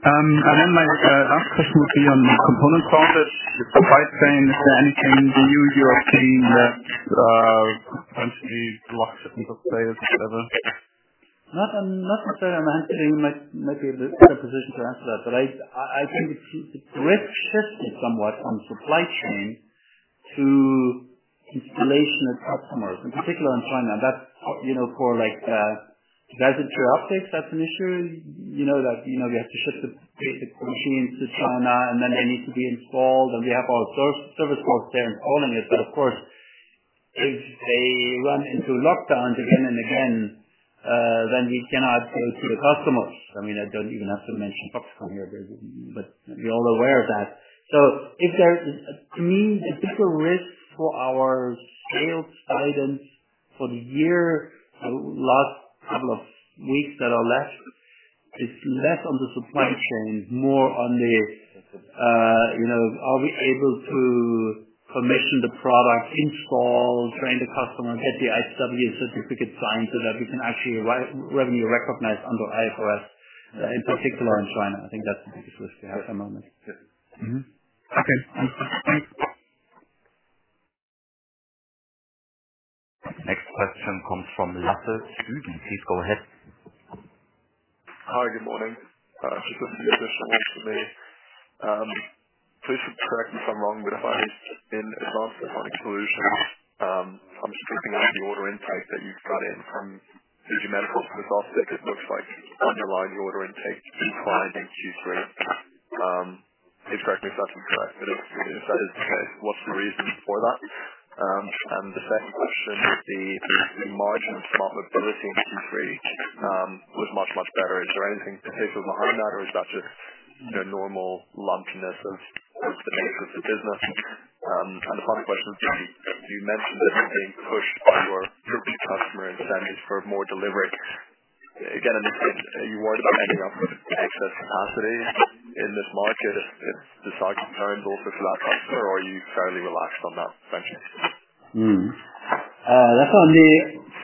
My last question would be on component shortage, supply chain. Is there anything new you are seeing that potentially blocks a few players or whatever? Not necessarily. I'm actually in like maybe a better position to answer that. I think the grip shifted somewhat on supply chain to installation at customer. In particular in China, that's, you know, for like, because as in TRIOPTICS, that's an issue, you know, that, you know, we have to ship the basic machines to China, and then they need to be installed, and we have our service folks there installing it. Of course, if they run into lockdowns again and again, then we cannot sell to the customers. I mean, I don't even have to mention Foxconn here, but we're all aware of that. If there To me, the bigger risk for our sales guidance for the year, the last couple of weeks that are left, it's less on the supply chain, more on the, you know, are we able to commission the product, install, train the customer, get the acceptance certificate signed so that we can actually revenue recognize under IFRS, in particular in China. I think that's the biggest risk we have at the moment. Yeah. Mm-hmm. Okay. Thanks. Next question comes from Luca. Please go ahead. Hi, good morning. This will be a bit short for me. Please correct me if I'm wrong, but if I'm in Advanced Photonic Solutions, I'm just picking up the order intake that you've got in from the medical. From this aspect, it looks like underlying order intake declined in Q3. Please correct me if that's incorrect. If that is the case, what's the reason for that? The second question, the margin profitability in Q3 was much, much better. Is there anything particular behind that or is that just the normal lumpiness of the nature of the business? The final question is, you mentioned that you're being pushed by your strategic customer incentives for more delivery. Again, are you worried about ending up with excess capacity in this market as the cycle turns also for that customer or are you fairly relaxed on that front? That's on the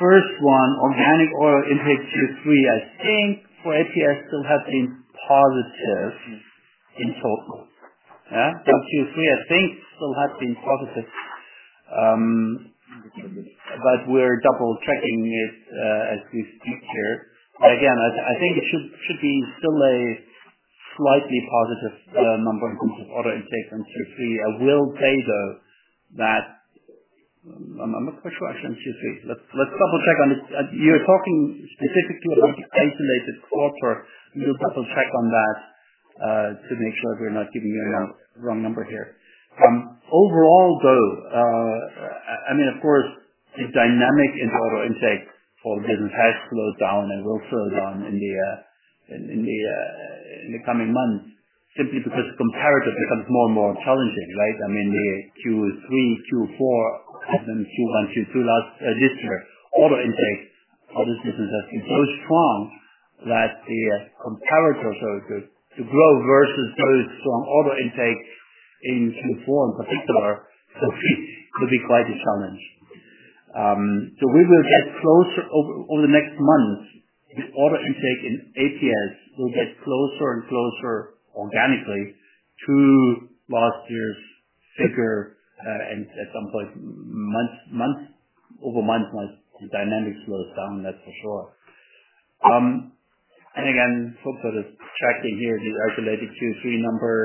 first one, organic order intake Q3, I think for APS still has been positive in total. Q3, I think still has been positive. We're double-checking it, as we speak here. Again, I think it should be still a slightly positive number in terms of order intake in Q3. I will say, though, that I'm not quite sure actually on Q3. Let's double-check on this. You're talking specifically about the isolated quarter. Let me double-check on that, to make sure we're not giving you a wrong number here. Overall though, I mean, of course, the dynamic in order intake for the business has slowed down and will slow down in the coming months simply because the comparative becomes more and more challenging, right? I mean, the Q3, Q4, even Q1, Q2 last year, order intake for this business has been so strong that the comparator, so to grow versus those strong order intake in Q4 in particular for APS could be quite a challenge. We will get closer over the next months. The order intake in APS will get closer and closer organically to last year's figure, and at some point, month-over-month, the dynamic slows down, that's for sure. Again, folks, that is tracking here the isolated Q3 number.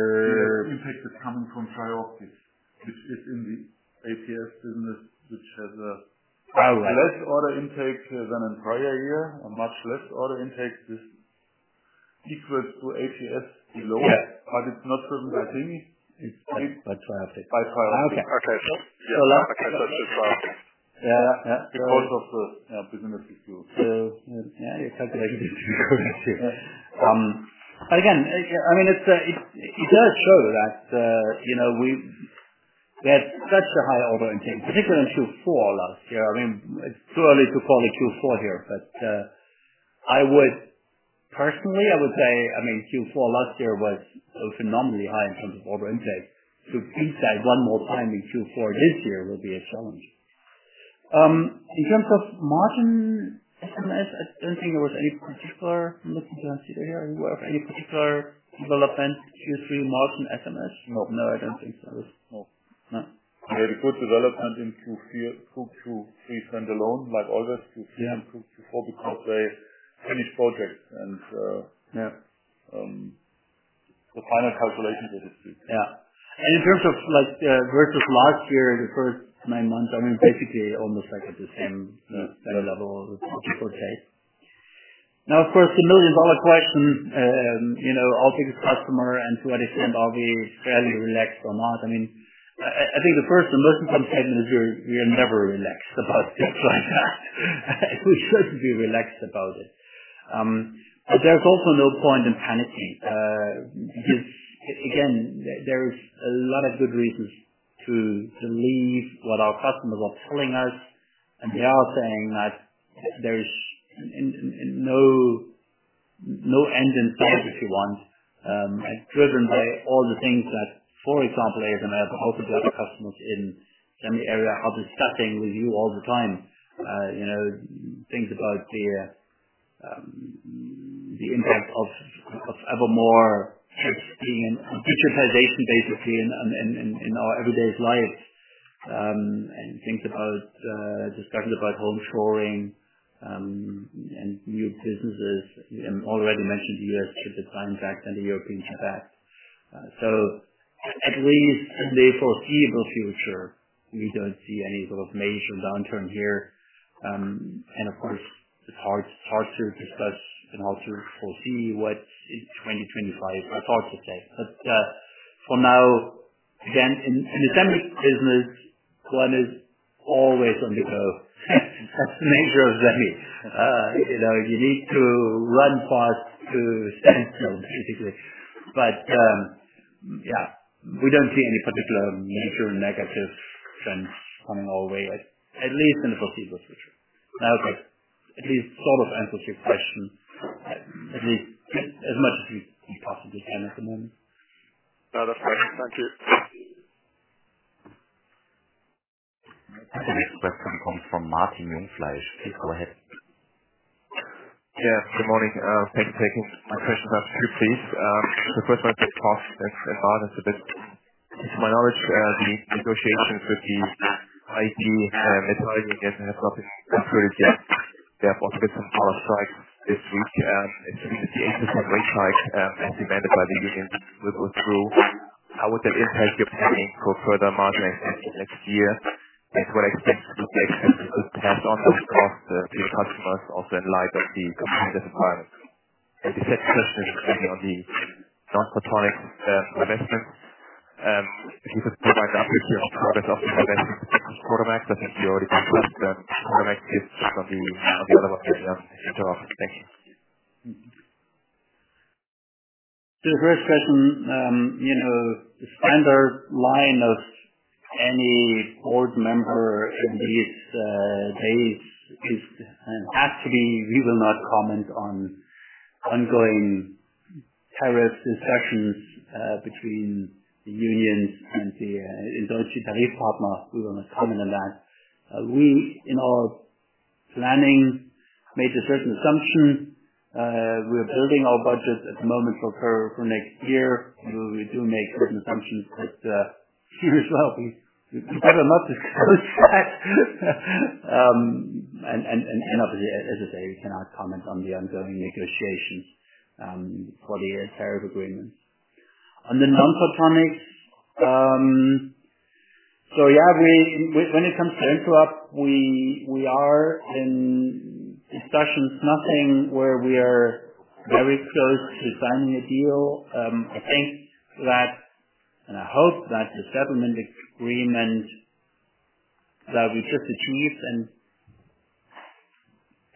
The intake is coming from TRIOPTICS, which is in the APS business. Oh, right. Less order intake than entire year, a much less order intake. This equals to APS below. Yeah. It's not driven by TRIOPTICS. It's by TRIOPTICS. By TRIOPTICS. Okay. Okay. Yeah. That's yeah. Yeah. They're also a business issue. Yeah, your calculation is correct. Again, I mean, it does show that, you know, we had such a high order intake, particularly in Q4 last year. I mean, it's too early to call it Q4 here, but I would personally say, I mean, Q4 last year was phenomenally high in terms of order intake. To beat that one more time in Q4 this year will be a challenge. In terms of margin, SMS, I don't think there was any particular. I'm looking to see here. You have any particular development Q3 margin SMS? No. No, I don't think so. No. No. We had a good development in Q3 standalone like always. Q4 because they finished projects and Yeah. the final calculations as you speak. Yeah. In terms of like versus last year, the first nine months, I mean, basically almost like at the same level of book-to-bill. Now, of course, the million-dollar question, you know, what the customers and to what extent are we fairly relaxed or not? I mean, I think the first and most important statement is we are never relaxed about things like that. We shouldn't be relaxed about it. There's also no point in panicking, because again, there is a lot of good reasons to believe what our customers are telling us, and they are saying that there is no end in sight, if you want, and driven by all the things that, for example, ASML, but also the other customers in semi area are discussing with you all the time. You know, things about the impact of ever more chips being digitization basically in our everyday life, and things about the struggle about home-shoring, and new businesses, already mentioned USD decline back then the European impact. At least in the foreseeable future, we don't see any sort of major downturn here. Of course, it's hard to discuss and hard to foresee what in 2025. It's hard to say. For now, again, in the semi business, one is always on the go. That's the nature of semi. You know, you need to run fast to stand still, basically. Yeah, we don't see any particular major negative trends coming our way, at least in the foreseeable future. I hope that at least sort of answers your question, at least as much as we possibly can at the moment. No, that's fine. Thank you. The next question comes from Martin Jungfleisch. Please go ahead. Yeah. Good morning. Thank you. My questions are two, please. The first one is on costs and advances a bit. To my knowledge, the negotiations with the IT employees have not been concluded yet. There are also some power strikes this week, and we could see a system wage hike, as demanded by the unions, will go through. How would that impact your planning for further margin in next year? And what do you expect to be the extent of the pass on those costs to your customers also in light of the competitive environment? And the second question is maybe on the Non-Photonic investments. If you could provide the update here on progress of investments. Prodomax, I think you already discussed. Prodomax is not the other one. Yeah. Thank you. The first question, you know, the standard line of any board member in these days is and has to be, we will not comment on ongoing tariff discussions between the unions and the management. We will not comment on that. In our planning, we made a certain assumption. We're building our budget at the moment for next year. We do make certain assumptions that here as well we probably not discuss that. And as I say, we cannot comment on the ongoing negotiations for the tariff agreement. On the non-photonic, so yeah, when it comes to Intop, we are in discussions. Nothing where we are very close to signing a deal. I think that, and I hope that the settlement agreement that we just achieved,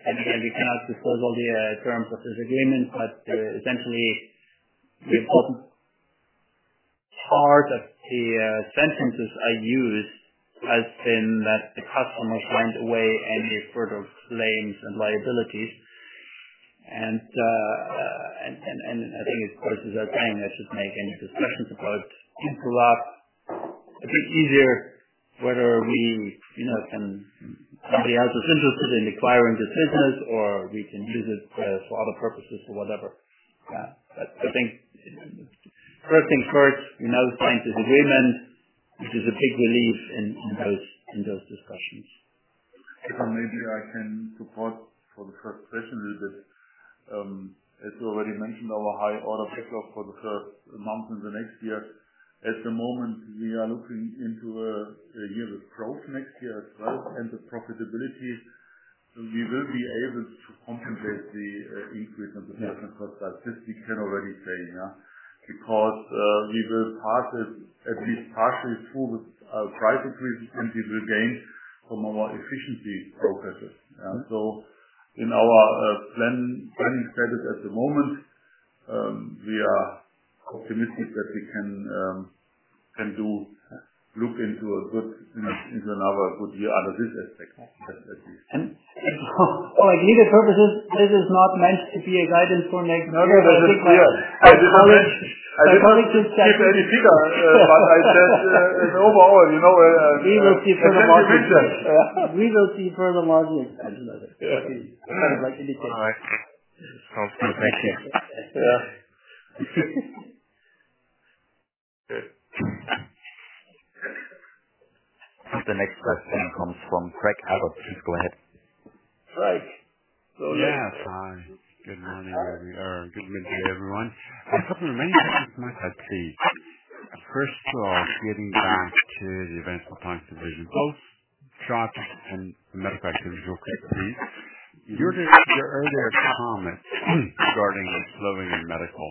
and again, we cannot disclose all the terms of this agreement, but essentially the important part of the sentence I used has been that the customers waived any sort of claims and liabilities. I think it, of course, is okay, and it should make any discussions about Intop a bit easier whether we, you know, somebody else is interested in acquiring this business or we can use it for other purposes or whatever. Yeah. I think first things first, we now signed this agreement, which is a big relief in those discussions. If maybe I can support for the first question a little bit. As you already mentioned, our high order backlog for the first month in the next year. At the moment, we are looking into a year with growth next year as well and the profitability. We will be able to contemplate the increase in the cost base. This we can already say, yeah. Because we will pass it at least partially through with our price increases, and we will gain from our efficiency progresses. So in our planning status at the moment, we are optimistic that we can look into a good, you know, into another good year under this aspect at least. For all legal purposes, this is not meant to be a guidance for next year. That is clear. I didn't give any figures. I said it's overall, you know. We will see further margins. Yeah. That is what I indicated. All right. Sounds good. Thank you. Yeah. The next question comes from Craig Abbott. Please go ahead. Craig. Hi. Good midday, everyone. I have many questions for you, please. First of all, getting back to the Advanced Photonic Solutions division, both APS and matter of fact, Industrial Metrology, please. Your earlier comment regarding the slowing in medical,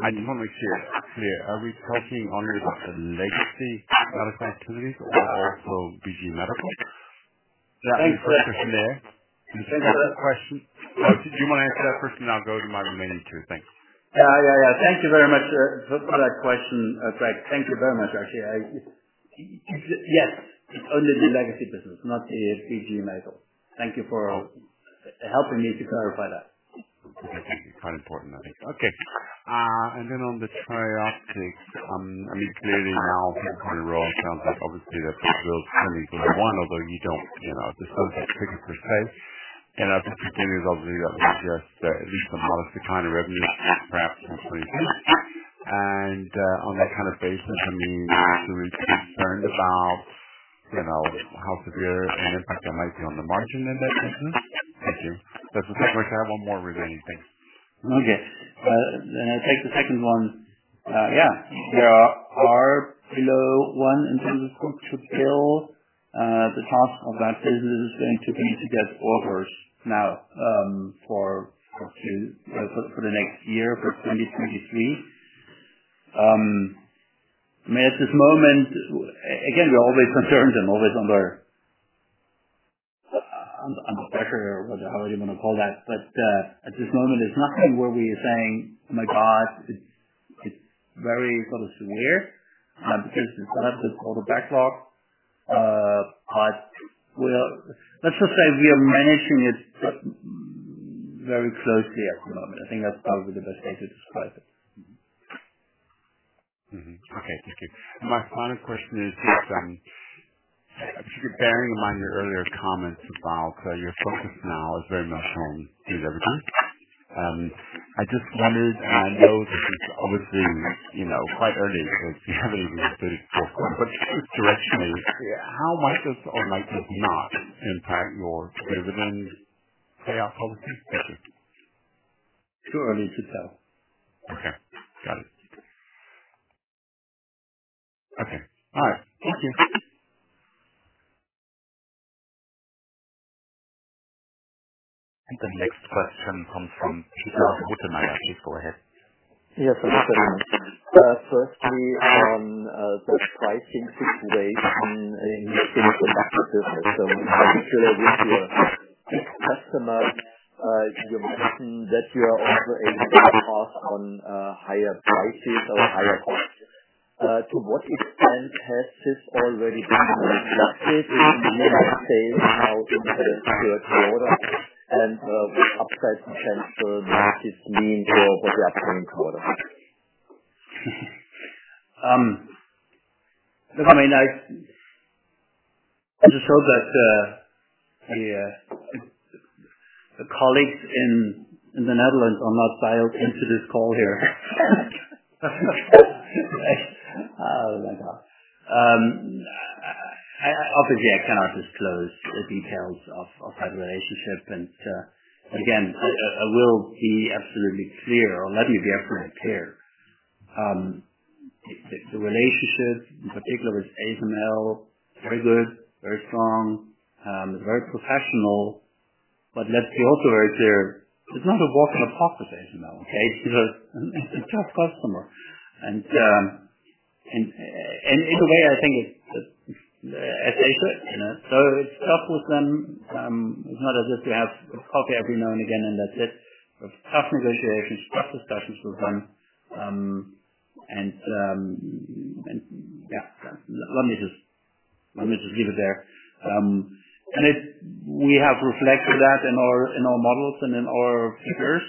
I just want to make sure it's clear. Are we talking only about the legacy other activities or also BG Medical? Thanks for that question. Oh, if you wanna answer that first, and I'll go to my remaining two. Thanks. Yeah. Thank you very much for that question, Craig. Thank you very much, actually. Yes. It's only the legacy business, not the BG Medical. Thank you for helping me to clarify that. Thank you. Quite important, I think. Okay. On the TRIOPTICS, I mean, clearly now everyone can see obviously that this book-to-bill only equal to one, although you don't, you know, disclose the ticket per se. At this stage, obviously that would suggest at least a modest decline in revenue perhaps in 2023. On that kind of basis, I mean, are you concerned about, you know, how severe an impact that might be on the margin in that instance? Thank you. That's okay. I have one more remaining. Thanks. Okay. I take the second one. Yeah. There are below one in terms of book-to-bill. The task of that business is going to be to get orders now for the next year, for 2023. I mean, at this moment, again, we're always concerned and always under pressure or whatever, however you wanna call that. At this moment, there's nothing where we are saying, "Oh my God, it's very sort of severe," because it's been set up as order backlog. We are managing it very closely at the moment. I think that's probably the best way to describe it. Thank you. My final question is just, bearing in mind your earlier comments about your focus now is very much on free cash flow. I just wondered, and I know this is obviously, you know, quite early days because you haven't even released your full numbers, but just directionally, how might this or might this not impact your dividend payout policy? Thank you. Too early to tell. Okay. Got it. Okay. All right. Thank you. The next question comes from Peter Rottensteiner. Please go ahead. Yes. Thank you very much. Firstly on the pricing situation in the semiconductor business, particularly with your big customer, you mentioned that you are also able to pass on higher prices or higher costs. To what extent has this already been reflected in, let's say, how this entered your quarter and with upside potential, what this means for the upcoming quarter? Look, I mean, I just hope that the colleagues in the Netherlands are not dialed into this call here. Oh, my God. Obviously I cannot disclose the details of that relationship. Again, I will be absolutely clear or let you be absolutely clear, the relationship in particular with ASML, very good, very strong, very professional. Let's be also very clear. It's not a walk in the park with ASML, okay? It's a tough customer. In a way, I think it's as they should, you know. It's tough with them. It's not as if we have a coffee every now and again, and that's it. We have tough negotiations, tough discussions with them. Let me just leave it there. We have reflected that in our models and in our figures.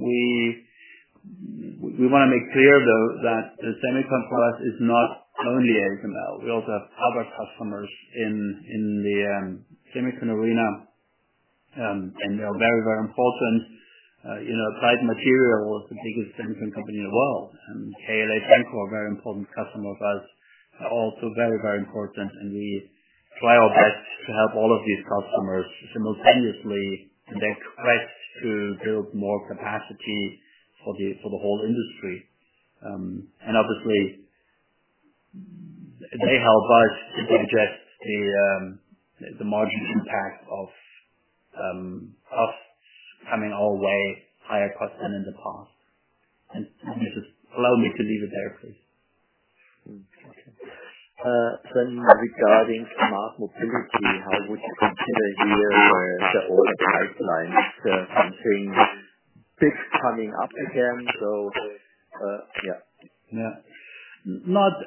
We wanna make clear though that the semiconductor is not only ASML. We also have other customers in the semiconductor arena. They are very, very important. You know, Applied Materials is the biggest semiconductor company in the world. KLA Corporation are very important customer of ours, are also very, very important. We try our best to help all of these customers simultaneously in their quest to build more capacity for the whole industry. Obviously they help us to digest the margin impact of us coming all the way higher cost than in the past. Just allow me to leave it there, please. Mm-hmm. Okay. Regarding Smart Mobility, how would you consider here the order pipeline? Something big coming up again, yeah. Yeah. Not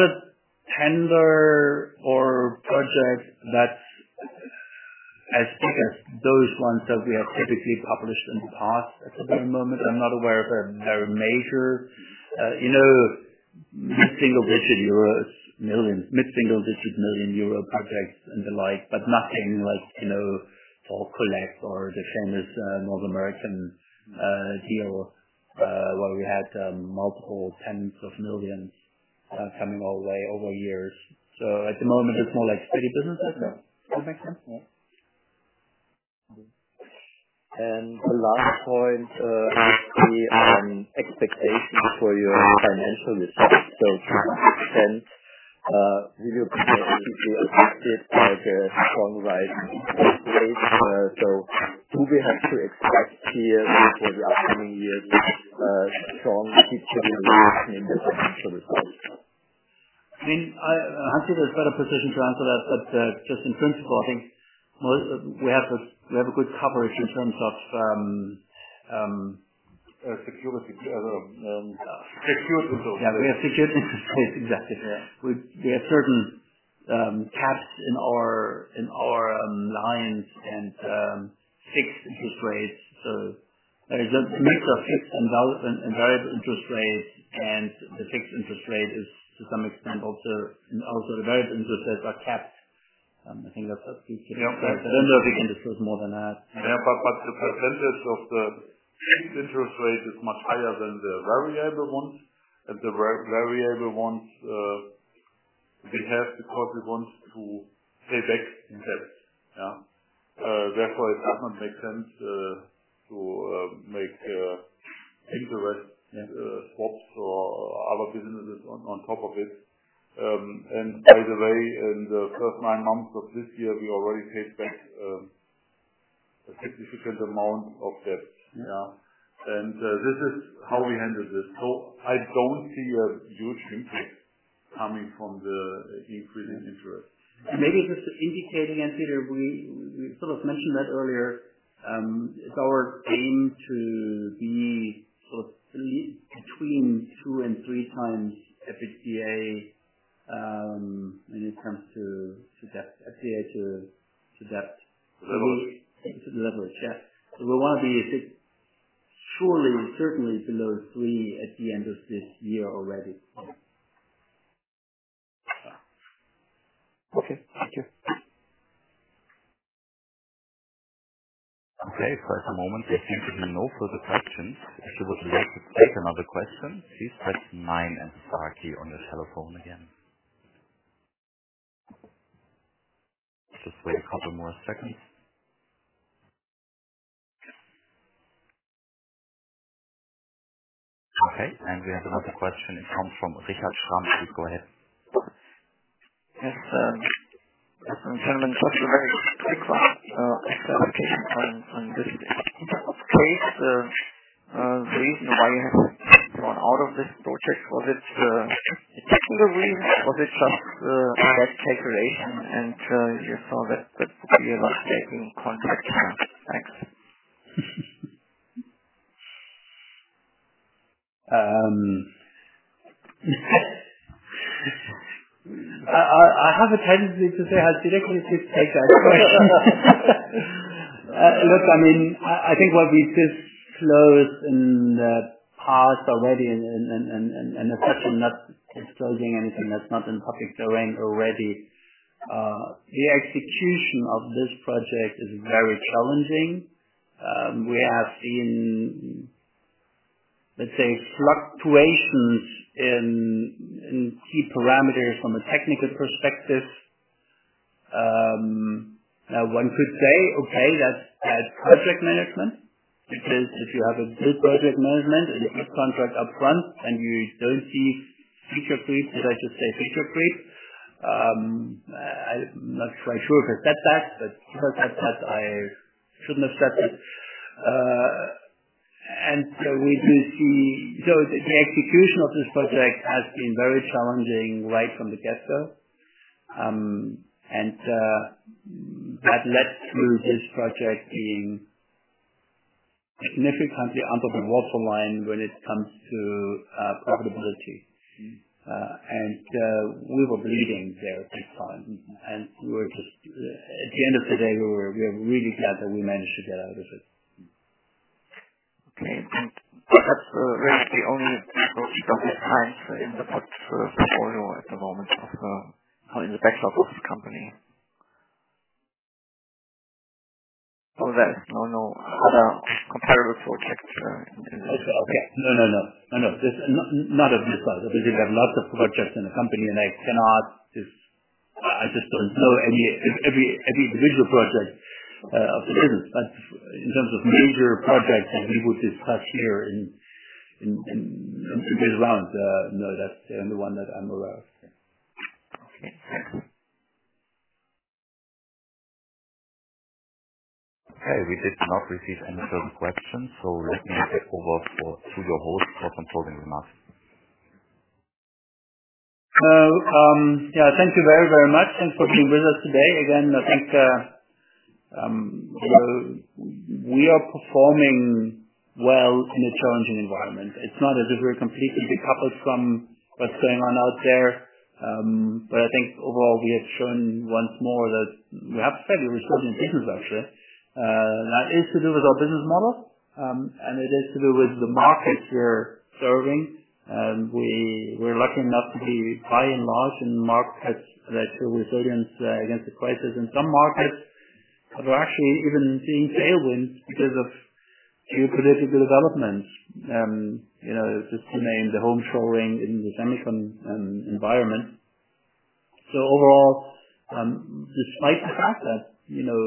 a tender or project that's as big as those ones that we have typically published in the past. At the moment, I'm not aware of a major mid-single digit million EUR projects and the like, but nothing like Toll Collect or the famous North American deal where we had multiple tens of millions EUR coming our way over years. At the moment, it's more like steady business as usual. That makes sense. Yeah. The last point, actually on expectations for your financial results. To what extent will you be affected by the strong rise in interest rates? Do we have to expect here for the upcoming years strong future increase in the financial results? I mean, Hans-Dieter Schumacher is better positioned to answer that, but just in principle, I think we have a good coverage in terms of security. Security. Yeah, we have security. Exactly. Yeah. We have certain caps in our lines and fixed interest rates. There's a mix of fixed and variable interest rates, and the fixed interest rate is to some extent also and the variable interest rates are capped. I think that's pretty clear. Yeah. We can discuss more than that. The percentage of the fixed interest rate is much higher than the variable ones. The variable ones we have because we want to pay back in debt. Yeah. Therefore it doesn't make sense to make interest. Yeah. swaps for our businesses on top of it. By the way, in the first nine months of this year, we already paid back a significant amount of debt. Yeah. This is how we handle this. I don't see a huge impact coming from the increased interest. Maybe just to indicate again, Peter, we sort of mentioned that earlier, it's our aim to be sort of between two and three times EBITDA, when it comes to debt to EBITDA. Mm-hmm. We think it's a level of debt. We wanna be a bit surely and certainly below three at the end of this year already. Okay. Thank you. Okay. At the moment there seem to be no further questions. If you would like to take another question, please press nine and star key on your telephone again. Let's just wait a couple more seconds. Okay, we have another question. It comes from Richard Schramm. Please go ahead. Yes. Gentlemen, just a very quick clarification on this case. The reason why you have gone out of this project, was it technical reason? Was it just bad calculation and you saw that you're not getting the contract? Thanks? I have a tendency to say I directly just take that question. Look, I mean, I think what we just closed in the past already and aside from not disclosing anything that's not in public domain already, the execution of this project is very challenging. We have seen, let's say, fluctuations in key parameters from a technical perspective. Now one could say, "Okay, that's bad project management," because if you have a good project management and you have contract up front and you don't see feature creep. Did I just say feature creep? I'm not quite sure if it's that bad, but if it's that bad, I shouldn't have said it. We do see. The execution of this project has been very challenging right from the get-go. That led to this project being significantly under the waterline when it comes to profitability. We were bleeding there big time. At the end of the day, we are really glad that we managed to get out of it. Okay. That's really the only project of this kind in the portfolio at the moment, or in the backlog of this company? Of that. I don't know other comparable projects. Okay. No, no. Just not of this size. I mean, we have lots of projects in the company and I just don't know every individual project of the business. But in terms of major projects that we would discuss here in to get around, no, that's the only one that I'm aware of. Okay. Thank you. Okay. We did not receive any further questions, so let me hand back over to your host for concluding remarks. Yeah, thank you very, very much. Thanks for being with us today. Again, I think, we are performing well in a challenging environment. It's not as if we're completely decoupled from what's going on out there, but I think overall we have shown once more that we have a fairly resilient business actually. That is to do with our business model, and it is to do with the markets we're serving. We're lucky enough to be by and large in markets that show resilience against the crisis. In some markets, we're actually even seeing tailwinds because of geopolitical developments, you know, just to name the home-shoring in the semiconductor environment. Overall, despite the fact that, you know,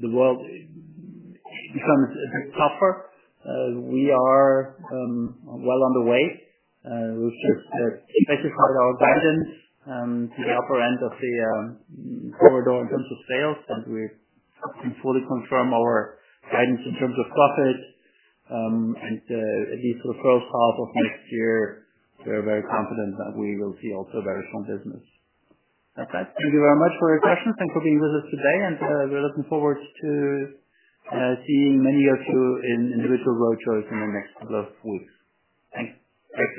the world becomes a bit tougher, we are well on the way. We've just re-specified our guidance to the upper end of the corridor in terms of sales, and we can fully confirm our guidance in terms of profit. At least for the first half of next year, we are very confident that we will see also very strong business. That said, thank you very much for your questions. Thanks for being with us today and we're looking forward to seeing many of you in individual roadshows in the next couple of weeks. Thanks. Thanks very much.